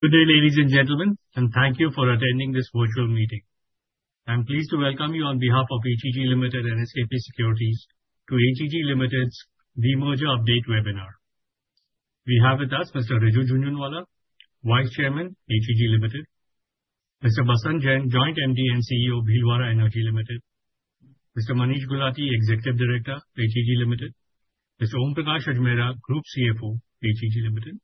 Good day, ladies and gentlemen, and thank you for attending this virtual meeting. I'm pleased to welcome you on behalf of HEG Limited and SKP Securities to HEG Limited's Merger Update webinar. We have with us Mr. Riju Jhunjhunwala, Vice Chairman, HEG Limited; Mr. Basant Jain, Joint MD and CEO, Bhilwara Energy Limited; Mr. Manish Gulati, Executive Director, HEG Limited; Mr. Om Prakash Ajmera, Group CFO, HEG Limited;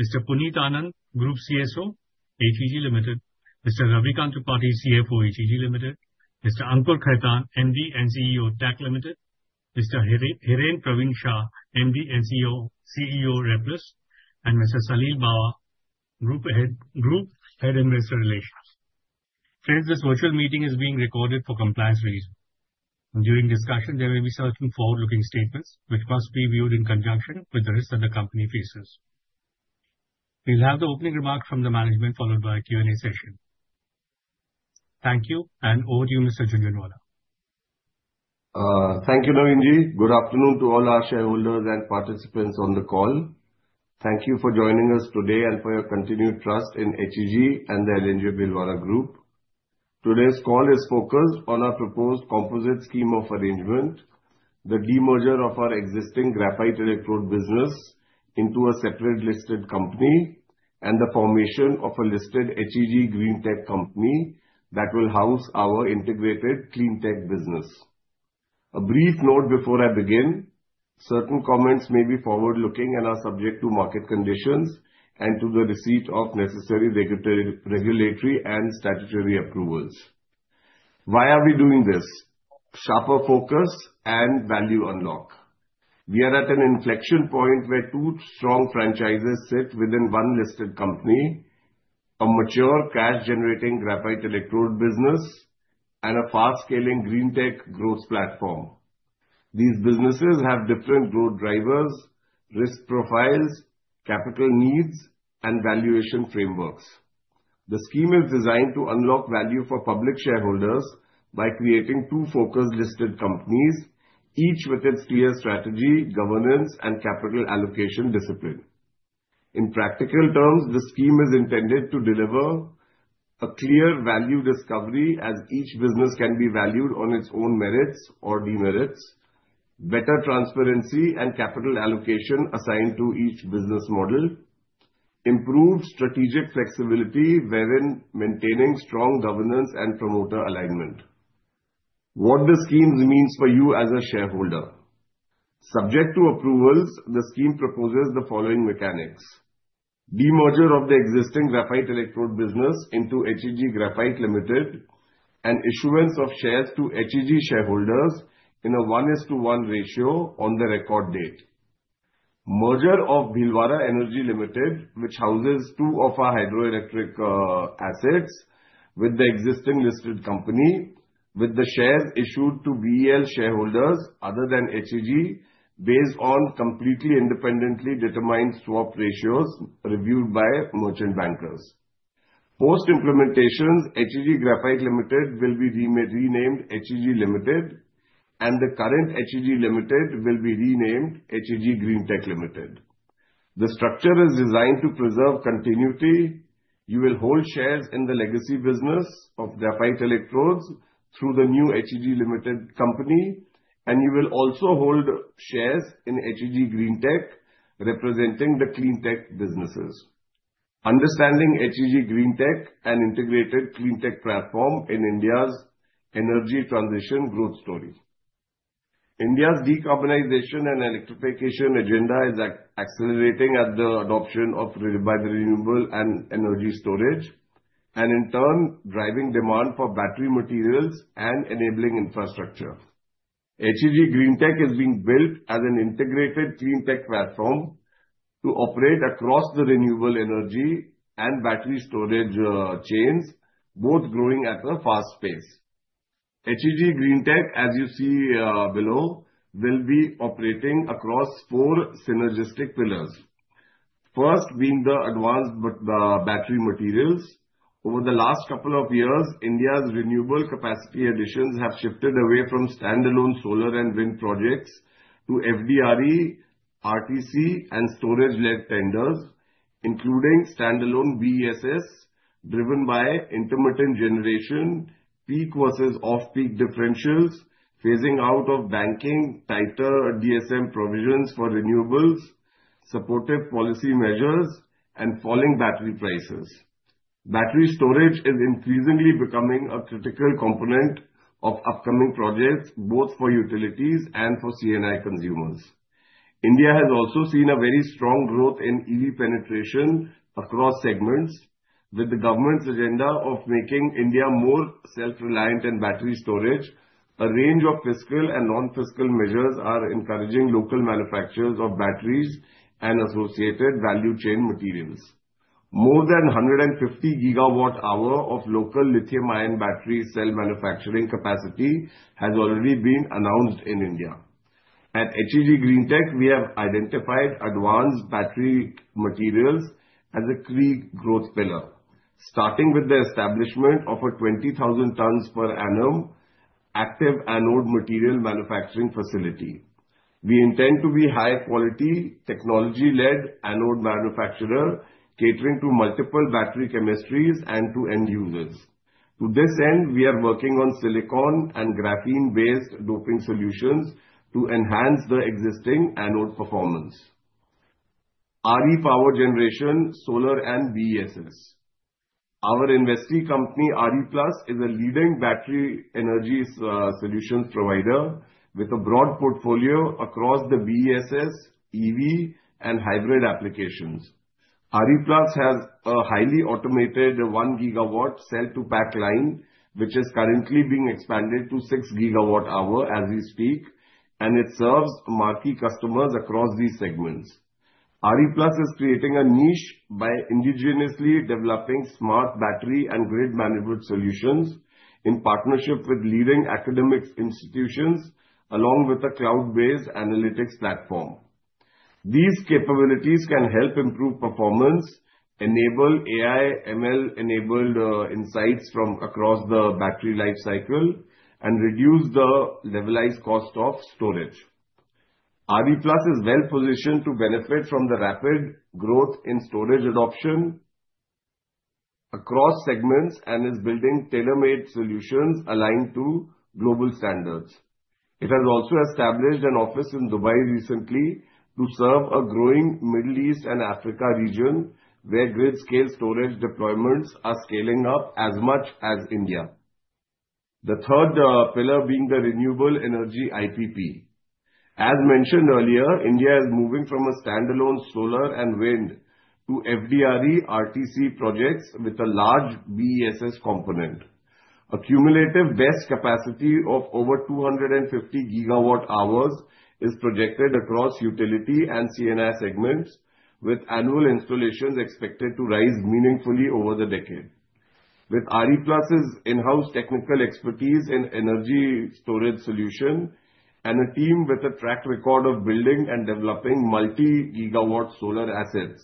Mr. Puneet Anand, Group CSO, HEG Limited; Mr. Ravi Tripathi, CFO, HEG Limited; Mr. Ankur Khaitan, MD and CEO, TACC Limited; Mr. Hiren Pravin Shah, MD and CEO, RePlus; and Mr. Salil Bawa, Group Head of Investor Relations. Friends, this virtual meeting is being recorded for compliance reasons. During discussion, there may be certain forward-looking statements which must be viewed in conjunction with the risks that the company faces. We'll have the opening remarks from the management, followed by a Q&A session. Thank you, and over to you, Mr. Jhunjhunwala. Thank you, Navinji. Good afternoon to all our shareholders and participants on the call. Thank you for joining us today and for your continued trust in HEG and the LNJ Bhilwara Group. Today's call is focused on our proposed composite scheme of arrangement, the demerger of our existing graphite electrode business into a separate listed company, and the formation of a listed HEG Greentech company that will house our integrated clean tech business. A brief note before I begin: certain comments may be forward-looking and are subject to market conditions and to the receipt of necessary regulatory and statutory approvals. Why are we doing this? Sharper focus and value unlock. We are at an inflection point where two strong franchises sit within one listed company: a mature cash-generating graphite electrode business and a fast-scaling green tech growth platform. These businesses have different growth drivers, risk profiles, capital needs, and valuation frameworks. The scheme is designed to unlock value for public shareholders by creating two focused listed companies, each with its clear strategy, governance, and capital allocation discipline. In practical terms, the scheme is intended to deliver a clear value discovery, as each business can be valued on its own merits or demerits, better transparency and capital allocation assigned to each business model, improved strategic flexibility wherein maintaining strong governance and promoter alignment. What do schemes mean for you as a shareholder? Subject to approvals, the scheme proposes the following mechanics: demerger of the existing graphite electrode business into HEG Graphite Limited and issuance of shares to HEG shareholders in a 1:1 ratio on the record date. Merger of Bhilwara Energy Limited, which houses two of our hydroelectric assets with the existing listed company, with the shares issued to BEL shareholders other than HEG, based on completely independently determined swap ratios reviewed by merchant bankers. Post-implementation, HEG Graphite Limited will be renamed HEG Limited, and the current HEG Limited will be renamed HEG Greentech Limited. The structure is designed to preserve continuity. You will hold shares in the legacy business of graphite electrodes through the new HEG Limited company, and you will also hold shares in HEG Greentech, representing the clean tech businesses. Understanding HEG Greentech and Integrated Clean Tech Platform in India's Energy Transition Growth Story. India's decarbonization and electrification agenda is accelerating at the adoption of renewable energy storage, and in turn, driving demand for battery materials and enabling infrastructure. HEG Greentech is being built as an integrated clean tech platform to operate across the renewable energy and battery storage chains, both growing at a fast pace. HEG Greentech, as you see below, will be operating across four synergistic pillars. First being the advanced battery materials. Over the last couple of years, India's renewable capacity additions have shifted away from standalone solar and wind projects to FDRE, RTC, and storage-led tenders, including standalone BESS driven by intermittent generation, peak versus off-peak differentials, phasing out of banking tighter DSM provisions for renewables, supportive policy measures, and falling battery prices. Battery storage is increasingly becoming a critical component of upcoming projects, both for utilities and for C&I consumers. India has also seen a very strong growth in EV penetration across segments. With the government's agenda of making India more self-reliant in battery storage, a range of fiscal and non-fiscal measures are encouraging local manufacturers of batteries and associated value chain materials. More than 150 gigawatt-hours of local lithium-ion battery cell manufacturing capacity has already been announced in India. At HEG Greentech, we have identified advanced battery materials as a key growth pillar, starting with the establishment of a 20,000 tons per annum active anode material manufacturing facility. We intend to be a high-quality, technology-led anode manufacturer catering to multiple battery chemistries and to end users. To this end, we are working on silicon and graphene-based doping solutions to enhance the existing anode performance. RE Power Generation, Solar and BESS. Our investing company, RePlus, is a leading battery energy solutions provider with a broad portfolio across the BESS, EV, and hybrid applications. RePlus has a highly automated one gigawatt cell-to-pack line, which is currently being expanded to six gigawatt-hour as we speak, and it serves marquee customers across these segments. RePlus is creating a niche by indigenously developing smart battery and grid management solutions in partnership with leading academic institutions, along with a cloud-based analytics platform. These capabilities can help improve performance, enable AI/ML-enabled insights from across the battery life cycle, and reduce the levelized cost of storage. RePlus is well positioned to benefit from the rapid growth in storage adoption across segments and is building tailor-made solutions aligned to global standards. It has also established an office in Dubai recently to serve a growing Middle East and Africa region where grid-scale storage deployments are scaling up as much as India. The third pillar being the renewable energy IPP. As mentioned earlier, India is moving from a standalone solar and wind to FDRE, RTC projects with a large BESS component. Cumulative BESS capacity of over 250 gigawatt-hours is projected across utility and C&I segments, with annual installations expected to rise meaningfully over the decade. With RePlus's in-house technical expertise in energy storage solutions and a team with a track record of building and developing multi-gigawatt solar assets,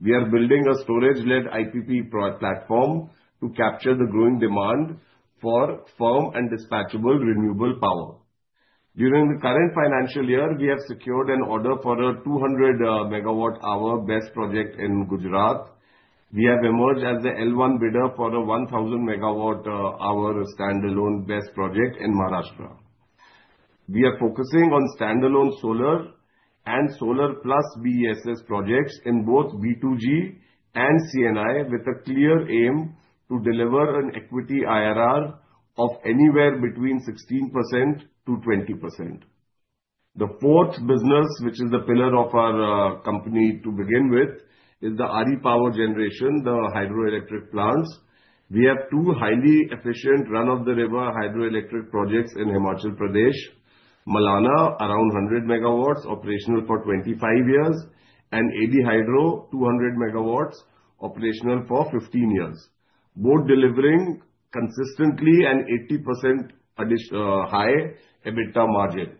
we are building a storage-led IPP platform to capture the growing demand for firm and dispatchable renewable power. During the current financial year, we have secured an order for a 200 megawatt-hour BESS project in Gujarat. We have emerged as the L1 bidder for a 1,000 megawatt-hour standalone BESS project in Maharashtra. We are focusing on standalone solar and Solar Plus BESS projects in both B2G and C&I, with a clear aim to deliver an equity IRR of anywhere between 16%-20%. The fourth business, which is the pillar of our company to begin with, is the RE Power Generation, the hydroelectric plants. We have two highly efficient run-of-the-river hydroelectric projects in Himachal Pradesh: Malana, around 100 megawatts, operational for 25 years, and AD Hydro, 200 megawatts, operational for 15 years, both delivering consistently and 80% high EBITDA margin.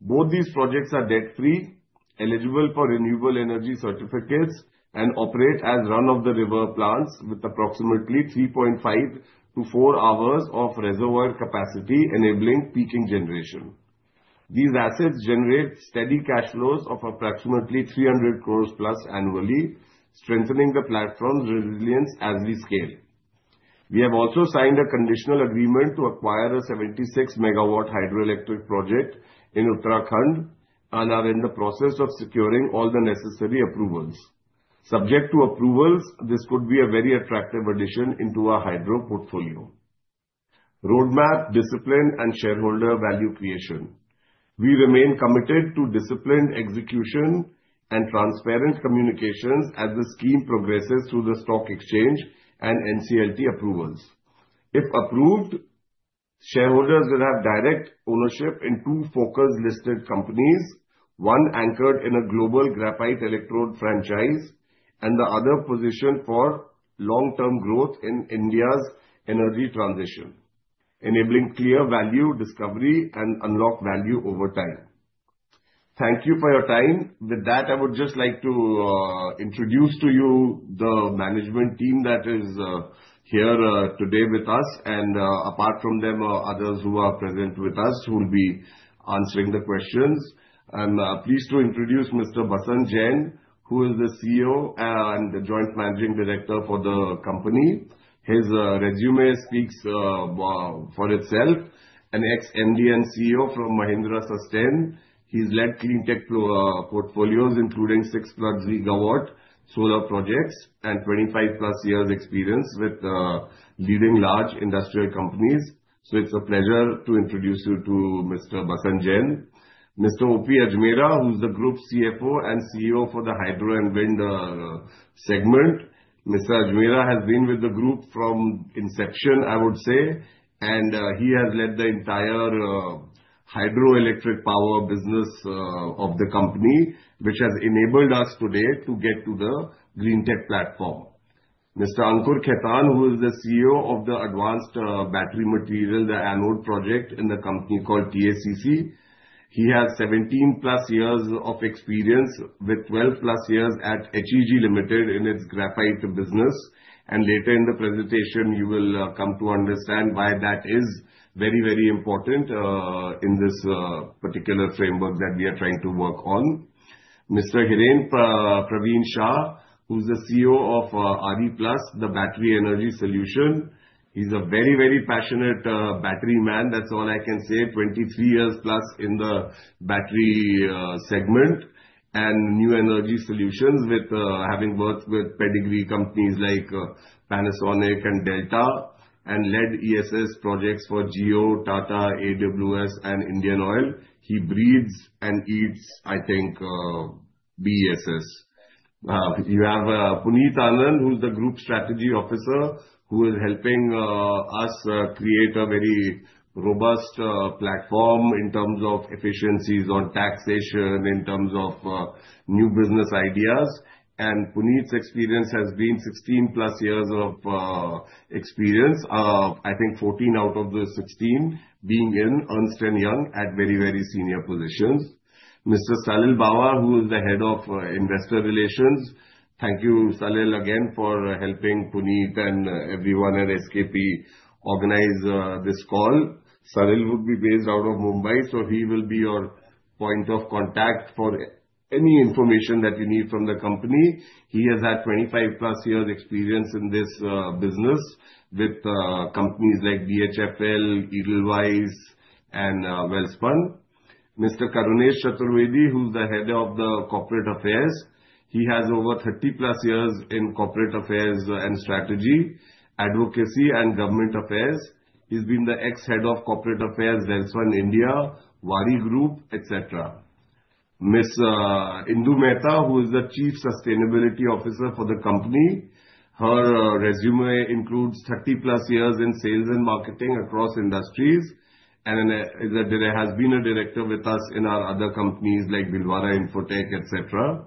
Both these projects are debt-free, eligible for renewable energy certificates, and operate as run-of-the-river plants with approximately 3.5-4 hours of reservoir capacity, enabling peaking generation. These assets generate steady cash flows of approximately 300 crores plus annually, strengthening the platform's resilience as we scale. We have also signed a conditional agreement to acquire a 76 megawatt hydroelectric project in Uttarakhand, and are in the process of securing all the necessary approvals. Subject to approvals, this could be a very attractive addition into our hydro portfolio. Roadmap, discipline, and shareholder value creation. We remain committed to disciplined execution and transparent communications as the scheme progresses through the stock exchange and NCLT approvals. If approved, shareholders will have direct ownership in two focused listed companies, one anchored in a global graphite electrode franchise and the other positioned for long-term growth in India's energy transition, enabling clear value discovery and unlock value over time. Thank you for your time. With that, I would just like to introduce to you the management team that is here today with us, and apart from them, others who are present with us who will be answering the questions. I'm pleased to introduce Mr. Basant Jain, who is the CEO and Joint Managing Director for the company. His resume speaks for itself. An ex-MD and CEO from Mahindra Susten, he's led clean tech portfolios, including 6-plus gigawatt solar projects and 25-plus years' experience with leading large industrial companies. So it's a pleasure to introduce you to Mr. Basant Jain. Mr. O.P. Ajmera, who's the group CFO and CEO for the hydro and wind segment. Mr. Ajmera has been with the group from inception, I would say, and he has led the entire hydroelectric power business of the company, which has enabled us today to get to the green tech platform. Mr. Ankur Khaitan, who is the CEO of the advanced battery material, the anode project in the company called TACC, he has 17 plus years of experience with 12 plus years at HEG Limited in its graphite business. Later in the presentation, you will come to understand why that is very, very important in this particular framework that we are trying to work on. Mr. Hiren Pravin Shah, who's the CEO of RePlus, the battery energy solution. He's a very, very passionate battery man. That's all I can say. 23 years plus in the battery segment and new energy solutions with having worked with pedigree companies like Panasonic and Delta and led ESS projects for Jio, Tata, AWS, and Indian Oil. He breathes and eats, I think, BESS. You have Puneet Anand, who's the Group Strategy Officer, who is helping us create a very robust platform in terms of efficiencies on taxation, in terms of new business ideas, and Puneet's experience has been 16 plus years of experience, I think 14 out of the 16 being in Ernst & Young at very, very senior positions. Mr. Salil Bawa, who is the head of investor relations. Thank you, Salil, again for helping Puneet and everyone at SKP organize this call. Salil would be based out of Mumbai, so he will be your point of contact for any information that you need from the company. He has had 25 plus years' experience in this business with companies like DHFL, Edelweiss, and Wells Fargo. Mr. Karunesh Chaturvedi, who's the head of corporate affairs. He has over 30 plus years in corporate affairs and strategy, advocacy, and government affairs. He's been the ex-Head of Corporate Affairs at Zensar India, Wipro Group, etc. Ms. Indu Mehta, who is the Chief Sustainability Officer for the company. Her resume includes 30-plus years in sales and marketing across industries and has been a director with us in our other companies like Bhilwara Infotechnology, etc.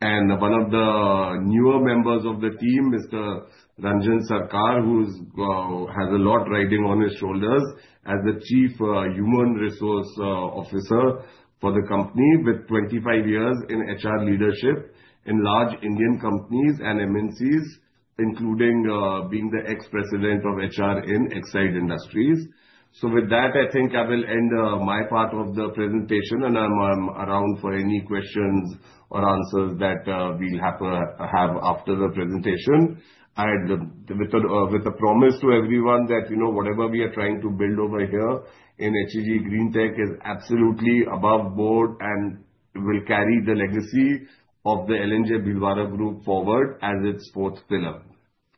And one of the newer members of the team, Mr. Ranjan Sarkar, who has a lot riding on his shoulders as the Chief Human Resource Officer for the company with 25 years in HR leadership in large Indian companies and MNCs, including being the ex-President of HR in Exide Industries. So with that, I think I will end my part of the presentation, and I'm around for any questions or answers that we'll have after the presentation. I end with a promise to everyone that whatever we are trying to build over here in HEG Greentech is absolutely above board and will carry the legacy of the LNJ Bhilwara Group forward as its fourth pillar.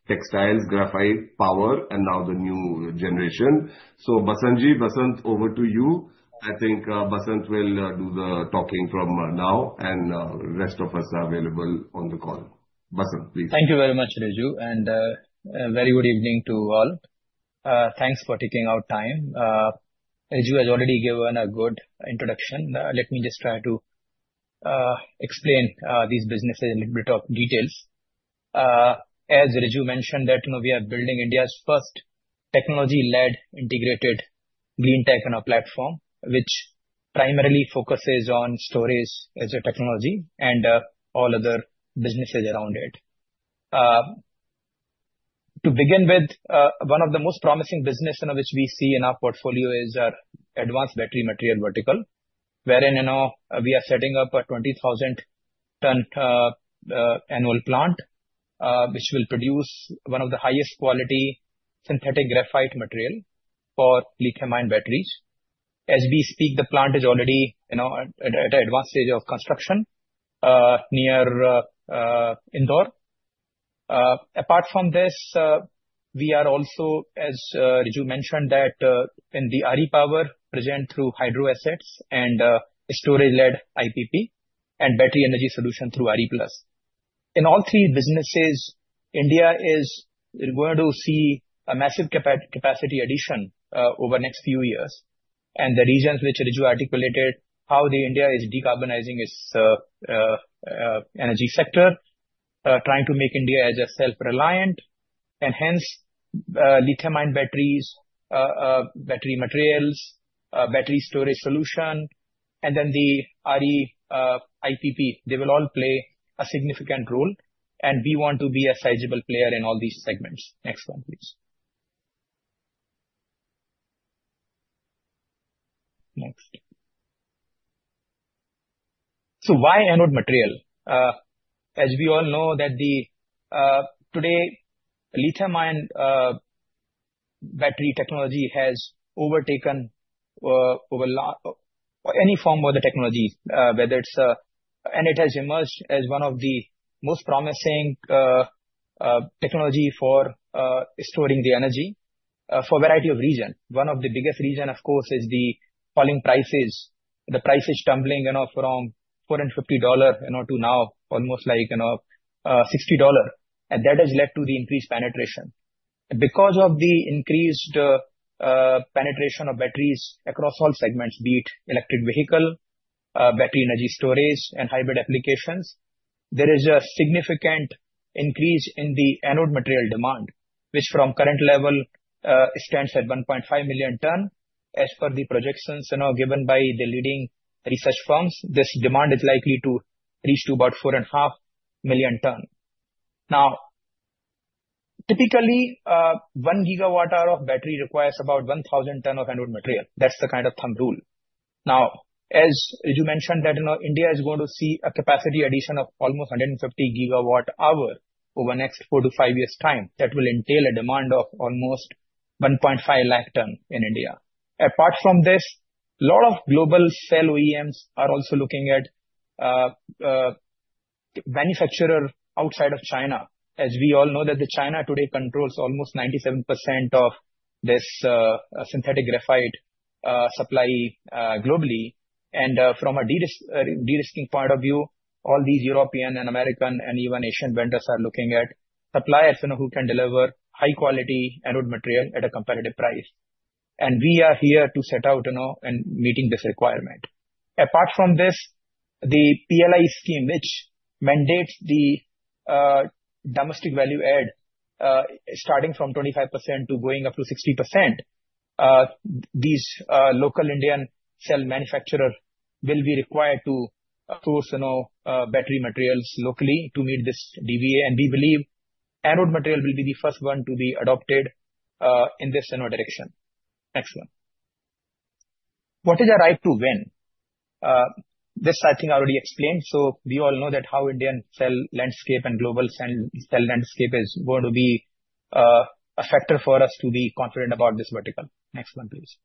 Textiles, graphite, power, and now the new generation. So Basant Jain, Basant, over to you. I think Basant will do the talking from now, and the rest of us are available on the call. Basant, please. Thank you very much, Riju, and a very good evening to all. Thanks for taking our time. Riju has already given a good introduction. Let me just try to explain these businesses in a bit of details. As Riju mentioned, we are building India's first technology-led integrated green tech platform, which primarily focuses on storage as a technology and all other businesses around it. To begin with, one of the most promising businesses which we see in our portfolio is our advanced battery material vertical, wherein we are setting up a 20,000-ton annual plant, which will produce one of the highest quality synthetic graphite material for lithium-ion batteries. As we speak, the plant is already at an advanced stage of construction near Indore. Apart from this, we are also, as Riju mentioned, in the RE power presence through hydro assets and storage-led IPP and battery energy solution through RePlus. In all three businesses, India is going to see a massive capacity addition over the next few years, and the reasons which Riju articulated, how India is decarbonizing its energy sector, trying to make India a self-reliant, and hence lithium-ion batteries, battery materials, battery storage solution, and then the RE IPP, they will all play a significant role. We want to be a sizable player in all these segments. Next one, please. Next. Why anode material? As we all know, today, lithium-ion battery technology has overtaken any form of the technology, whether it's, and it has emerged as one of the most promising technologies for storing the energy for a variety of regions. One of the biggest reasons, of course, is the falling prices, the prices tumbling from $450 to now almost like $60. That has led to the increased penetration. Because of the increased penetration of batteries across all segments, be it electric vehicle, battery energy storage, and hybrid applications, there is a significant increase in the anode material demand, which from current level stands at 1.5 million tons. As per the projections given by the leading research firms, this demand is likely to reach to about 4.5 million tons. Now, typically, one gigawatt-hour of battery requires about 1,000 tons of anode material. That's the kind of thumb rule. Now, as you mentioned, India is going to see a capacity addition of almost 150 gigawatt-hours over the next four to five years' time. That will entail a demand of almost 1.5 lakh tons in India. Apart from this, a lot of global cell OEMs are also looking at manufacturers outside of China. As we all know, China today controls almost 97% of this synthetic graphite supply globally. And from a de-risking point of view, all these European and American and even Asian vendors are looking at suppliers who can deliver high-quality anode material at a competitive price. And we are here to set out and meet this requirement. Apart from this, the PLI scheme, which mandates the domestic value add starting from 25% to going up to 60%, these local Indian cell manufacturers will be required to source battery materials locally to meet this DVA. And we believe anode material will be the first one to be adopted in this direction. Next one. What is our right to win? This, I think, I already explained. So we all know that how Indian cell landscape and global cell landscape is going to be a factor for us to be confident about this vertical. Next one, please.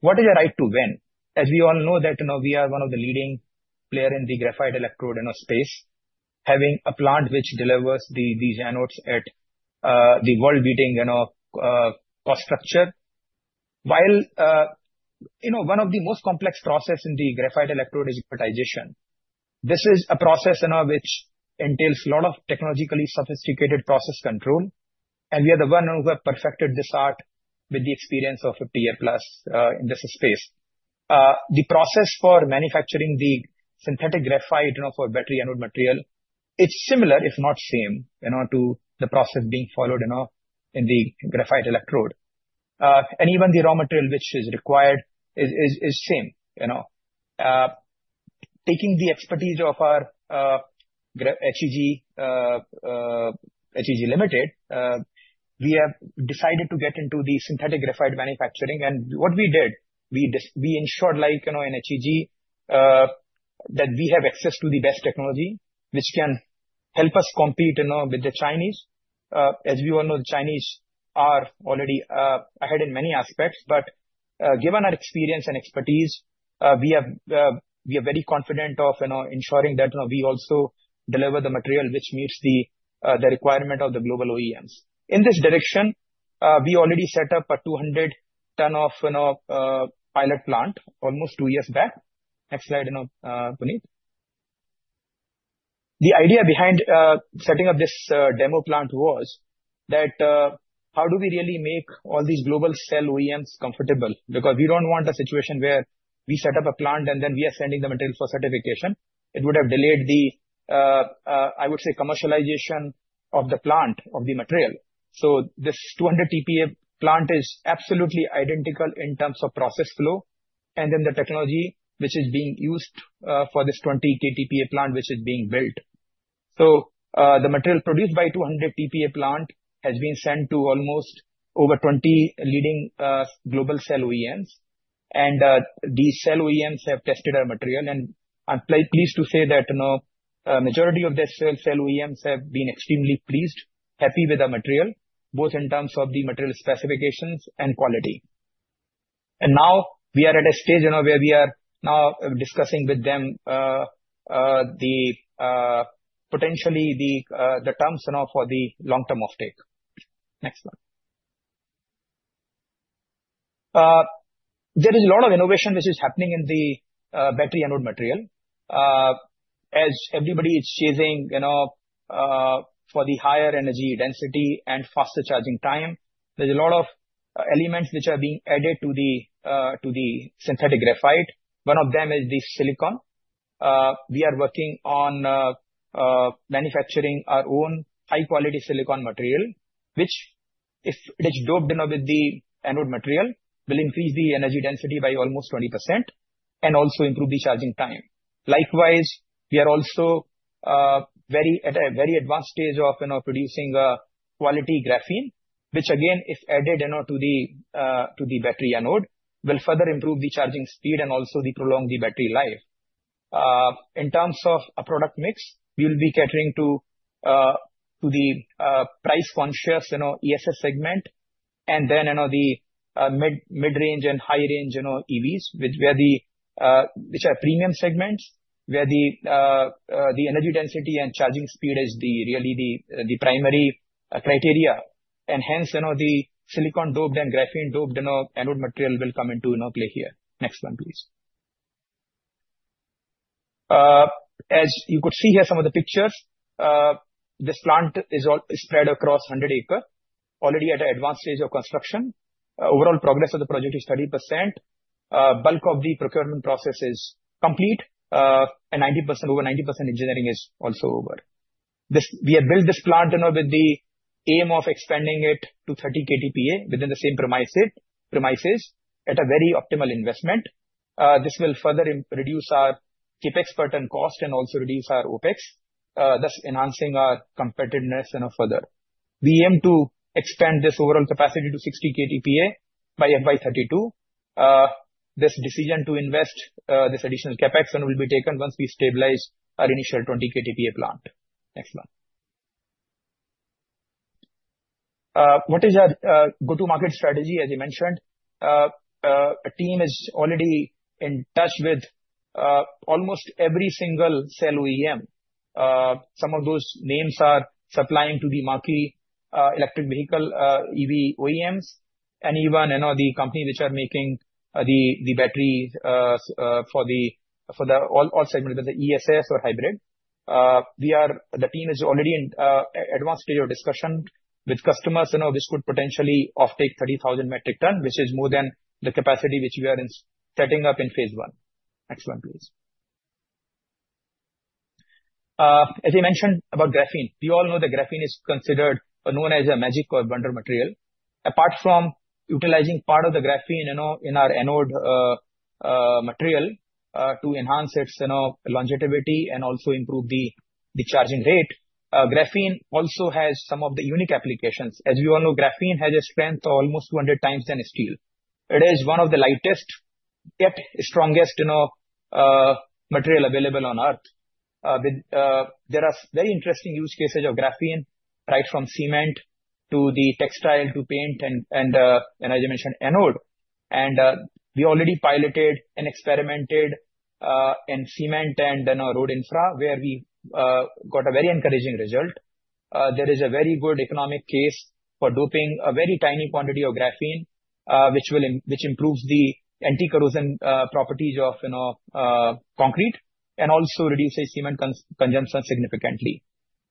What is our right to win? As we all know, we are one of the leading players in the graphite electrode space, having a plant which delivers these anodes at the world-beating cost structure. While one of the most complex processes in the graphite electrode is digitization, this is a process which entails a lot of technologically sophisticated process control, and we are the one who have perfected this art with the experience of 50 years plus in this space. The process for manufacturing the synthetic graphite for battery anode material is similar, if not same, to the process being followed in the graphite electrode, and even the raw material which is required is same. Taking the expertise of our HEG Limited, we have decided to get into the synthetic graphite manufacturing, and what we did, we ensured in HEG that we have access to the best technology which can help us compete with the Chinese. As we all know, the Chinese are already ahead in many aspects. But given our experience and expertise, we are very confident of ensuring that we also deliver the material which meets the requirement of the global OEMs. In this direction, we already set up a 200-ton pilot plant almost two years back. Next slide, Puneet. The idea behind setting up this demo plant was that how do we really make all these global cell OEMs comfortable? Because we don't want a situation where we set up a plant and then we are sending the material for certification. It would have delayed the, I would say, commercialization of the plant of the material. So this 200 TPA plant is absolutely identical in terms of process flow and then the technology which is being used for this 20 KTPA plant which is being built. The material produced by the 200 TPA plant has been sent to almost over 20 leading global cell OEMs. These cell OEMs have tested our material. I'm pleased to say that the majority of the cell OEMs have been extremely pleased, happy with our material, both in terms of the material specifications and quality. Now we are at a stage where we are now discussing with them potentially the terms for the long-term offtake. Next one. There is a lot of innovation which is happening in the battery anode material. As everybody is chasing for the higher energy density and faster charging time, there's a lot of elements which are being added to the synthetic graphite. One of them is the silicon. We are working on manufacturing our own high-quality silicon material, which, if it is doped with the anode material, will increase the energy density by almost 20% and also improve the charging time. Likewise, we are also at a very advanced stage of producing quality graphene, which, again, if added to the battery anode, will further improve the charging speed and also prolong the battery life. In terms of a product mix, we will be catering to the price-conscious ESS segment and then the mid-range and high-range EVs, which are premium segments, where the energy density and charging speed is really the primary criteria. And hence, the silicon-doped and graphene-doped anode material will come into play here. Next one, please. As you could see here, some of the pictures, this plant is spread across 100 acres, already at an advanced stage of construction. Overall progress of the project is 30%. Bulk of the procurement process is complete. Over 90% engineering is also over. We have built this plant with the aim of expanding it to 30 KTPA within the same premises at a very optimal investment. This will further reduce our CapEx per ton cost and also reduce our OpEx, thus enhancing our competitiveness further. We aim to expand this overall capacity to 60 KTPA by FY 2032. This decision to invest this additional CapEx will be taken once we stabilize our initial 20 KTPA plant. Next one. What is our go-to-market strategy, as I mentioned? A team is already in touch with almost every single cell OEM. Some of those names are supplying to the marquee electric vehicle EV OEMs and even the companies which are making the battery for all segments, whether ESS or hybrid. The team is already in an advanced stage of discussion with customers, which could potentially offtake 30,000 metric tons, which is more than the capacity which we are setting up in phase one. Next one, please. As I mentioned about graphene, we all know that graphene is considered known as a magic or wonder material. Apart from utilizing part of the graphene in our anode material to enhance its longevity and also improve the charging rate, graphene also has some of the unique applications. As we all know, graphene has a strength almost 200 times than steel. It is one of the lightest yet strongest material available on Earth. There are very interesting use cases of graphene, right from cement to the textile to paint and, as I mentioned, anode. We already piloted and experimented in cement and road infra, where we got a very encouraging result. There is a very good economic case for doping a very tiny quantity of graphene, which improves the anti-corrosion properties of concrete and also reduces cement consumption significantly.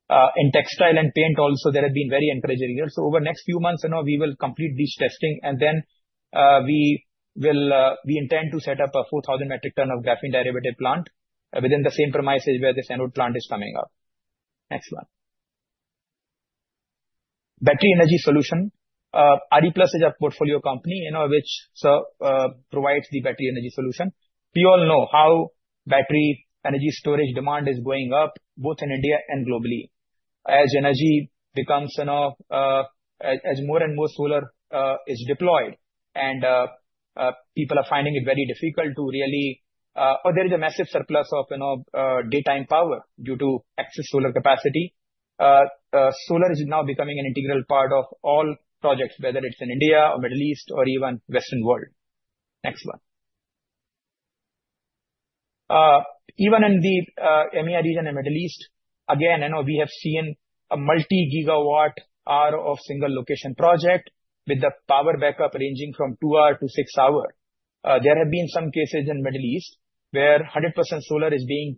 In textile and paint, also, there have been very encouraging years. Over the next few months, we will complete this testing. And then we intend to set up a 4,000 metric ton of graphene derivative plant within the same premises where this anode plant is coming up. Next one. Battery energy solution. RePlus is a portfolio company which provides the battery energy solution. We all know how battery energy storage demand is going up, both in India and globally. As energy becomes more and more solar is deployed and people are finding it very difficult to really, or there is a massive surplus of daytime power due to excess solar capacity, solar is now becoming an integral part of all projects, whether it's in India, the Middle East, or even the Western world. Next one. Even in the EMEA region in the Middle East, again, we have seen a multi-gigawatt-hour of single location project with the power backup ranging from two hours to six hours. There have been some cases in the Middle East where 100% solar is being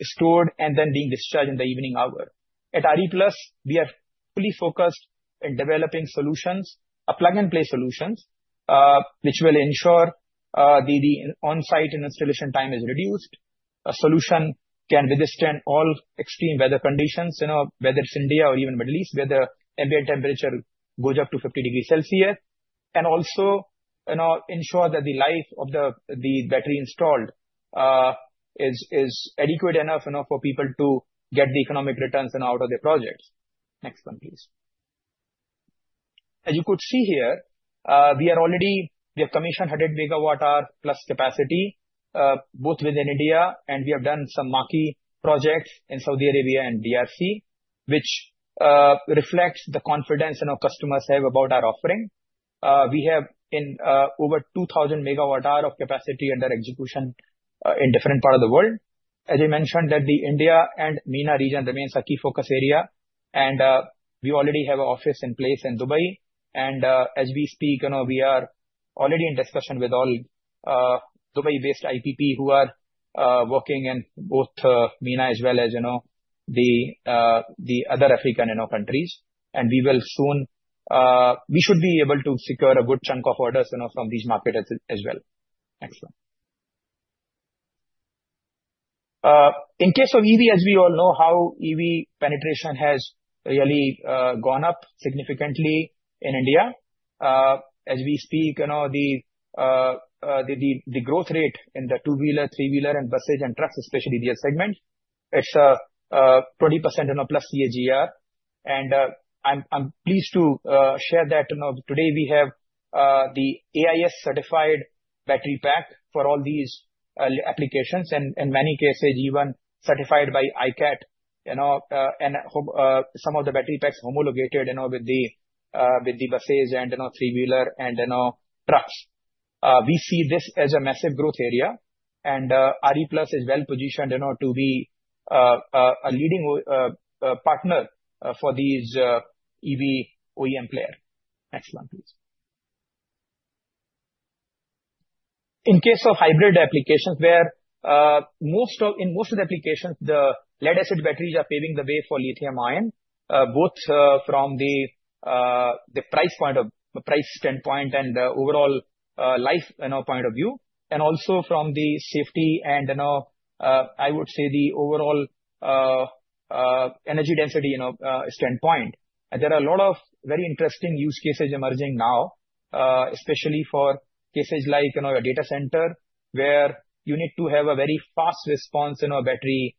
stored and then being discharged in the evening hour. At RePlus, we are fully focused on developing solutions, plug-and-play solutions, which will ensure the on-site installation time is reduced. A solution can withstand all extreme weather conditions, whether it's India or even the Middle East, where the ambient temperature goes up to 50 degrees Celsius, and also ensure that the life of the battery installed is adequate enough for people to get the economic returns out of the projects. Next one, please. As you could see here, we have commissioned 100 megawatt-hour plus capacity, both within India, and we have done some marquee projects in Saudi Arabia and DRC, which reflects the confidence our customers have about our offering. We have over 2,000 megawatt-hours of capacity under execution in different parts of the world. As I mentioned, the India and MENA region remains a key focus area and we already have an office in place in Dubai. As we speak, we are already in discussion with all Dubai-based IPP who are working in both MENA as well as the other African countries. We should be able to secure a good chunk of orders from these markets as well. Next one. In case of EV, as we all know, how EV penetration has really gone up significantly in India. As we speak, the growth rate in the two-wheeler, three-wheeler, and buses and trucks, especially the CV segment, it's 20% plus CAGR. I'm pleased to share that today we have the AIS-certified battery pack for all these applications, and in many cases, even certified by ICAT. Some of the battery packs are homologated with the buses and three-wheelers and trucks. We see this as a massive growth area. RePlus is well positioned to be a leading partner for these EV OEM players. Next one, please. In case of hybrid applications, where in most of the applications, the lead-acid batteries are paving the way for lithium-ion, both from the price standpoint and the overall life point of view, and also from the safety and, I would say, the overall energy density standpoint, and there are a lot of very interesting use cases emerging now, especially for cases like a data center where you need to have a very fast response in battery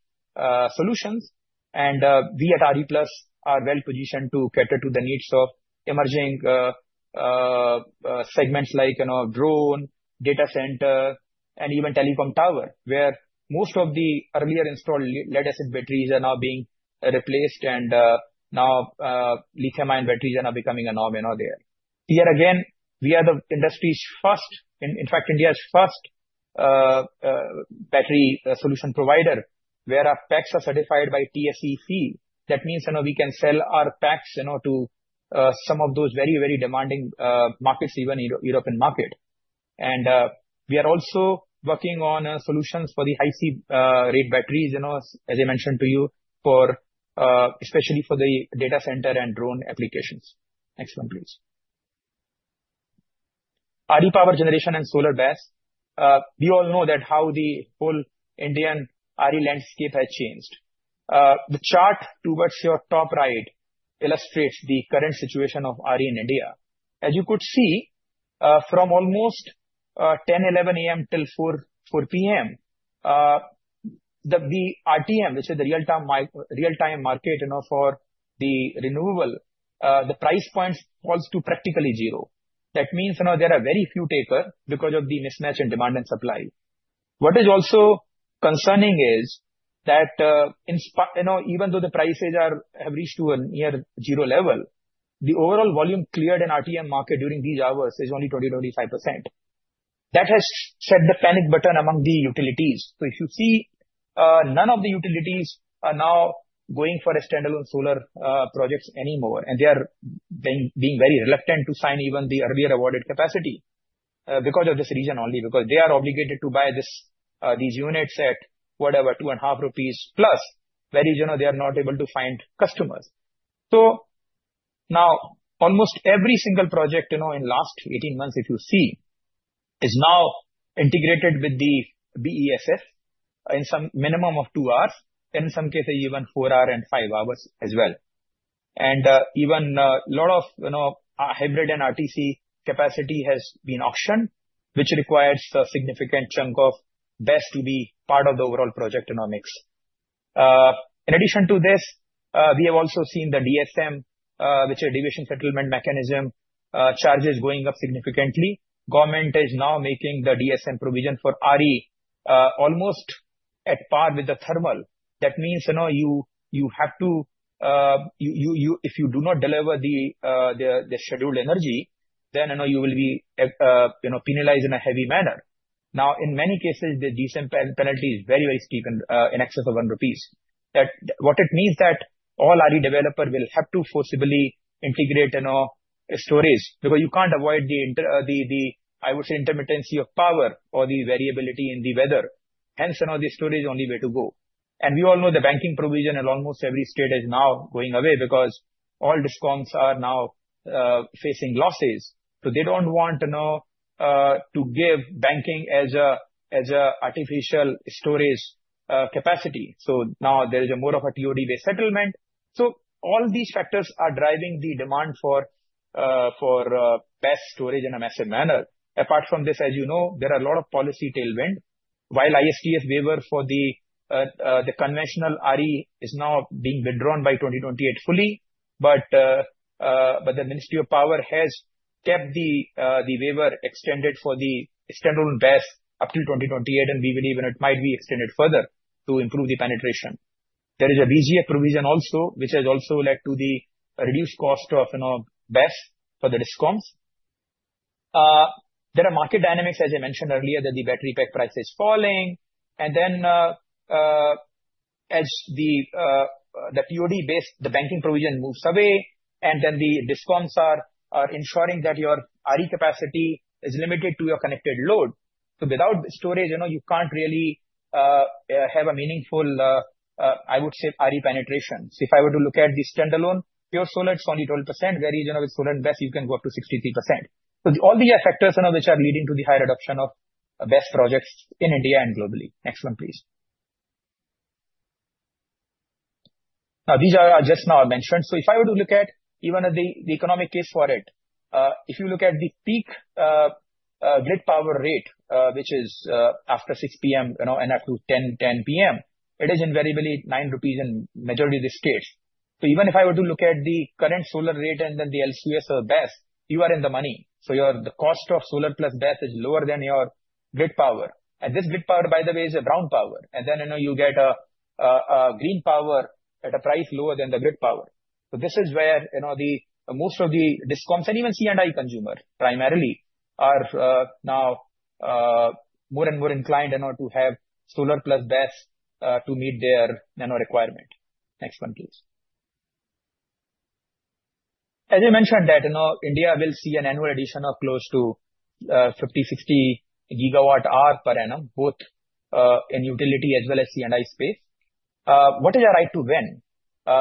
solutions, and we at RePlus are well positioned to cater to the needs of emerging segments like drone, data center, and even telecom tower, where most of the earlier installed lead-acid batteries are now being replaced, and now lithium-ion batteries are now becoming a norm there. Here, again, we are the industry's first, in fact, India's first battery solution provider, where our packs are certified by TEC. That means we can sell our packs to some of those very, very demanding markets, even the European market. And we are also working on solutions for the high C-rate batteries, as I mentioned to you, especially for the data center and drone applications. Next one, please. RE Power Generation and Solar Base. We all know how the whole Indian RE landscape has changed. The chart towards your top right illustrates the current situation of RE in India. As you could see, from almost 10:11 A.M. till 4:00 P.M., the RTM, which is the real-time market for the renewable, the price point falls to practically zero. That means there are very few takers because of the mismatch in demand and supply. What is also concerning is that even though the prices have reached to a near zero level, the overall volume cleared in RTM market during these hours is only 20%-25%. That has set the panic button among the utilities. So if you see, none of the utilities are now going for standalone solar projects anymore. And they are being very reluctant to sign even the earlier awarded capacity because of this reason only, because they are obligated to buy these units at whatever, 2.5 rupees plus, where they are not able to find customers. So now, almost every single project in the last 18 months, if you see, is now integrated with the BESS in some minimum of two hours, and in some cases, even four hours and five hours as well. And even a lot of hybrid and RTC capacity has been auctioned, which requires a significant chunk of BESS to be part of the overall project in our mix. In addition to this, we have also seen the DSM, which is a deviation settlement mechanism, charges going up significantly. Government is now making the DSM provision for RE almost at par with the thermal. That means you have to, if you do not deliver the scheduled energy, then you will be penalized in a heavy manner. Now, in many cases, the DSM penalty is very, very steep in excess of 1 rupees. What it means is that all RE developers will have to forcibly integrate storage because you can't avoid the, I would say, intermittency of power or the variability in the weather. Hence, the storage is the only way to go. We all know the banking provision in almost every state is now going away because all discoms are now facing losses. They don't want to give banking as an artificial storage capacity. Now there is more of a TOD-based settlement. All these factors are driving the demand for BESS storage in a massive manner. Apart from this, as you know, there are a lot of policy tailwinds. While the ISTS waiver for the conventional RE is now being withdrawn by 2028 fully, the Ministry of Power has kept the waiver extended for the standalone BESS up to 2028, and we believe it might be extended further to improve the penetration. There is a VGF provision also, which has also led to the reduced cost of BESS for the discoms. There are market dynamics, as I mentioned earlier, that the battery pack price is falling. Then as the TOD-based banking provision moves away, and then the discounts are ensuring that your RE capacity is limited to your connected load. So without storage, you can't really have a meaningful, I would say, RE penetration. So if I were to look at the standalone pure solar, it's only 12%, whereas with solar and BESS, you can go up to 63%. So all these are factors which are leading to the high adoption of BESS projects in India and globally. Next one, please. Now, these are just now mentioned. So if I were to look at even the economic case for it, if you look at the peak grid power rate, which is after 6:00 P.M. and up to 10:10 P.M., it is invariably 9 rupees in the majority of the states. So even if I were to look at the current solar rate and then the LCOS or BESS, you are in the money. The cost of solar plus BESS is lower than your grid power. This grid power, by the way, is a brown power. Then you get a green power at a price lower than the grid power. This is where most of the discounts, and even C&I consumers primarily, are now more and more inclined to have solar plus BESS to meet their requirement. Next one, please. As I mentioned, India will see an annual addition of close to 50-60 gigawatt-hours per annum, both in utility as well as C&I space. What is our right to win?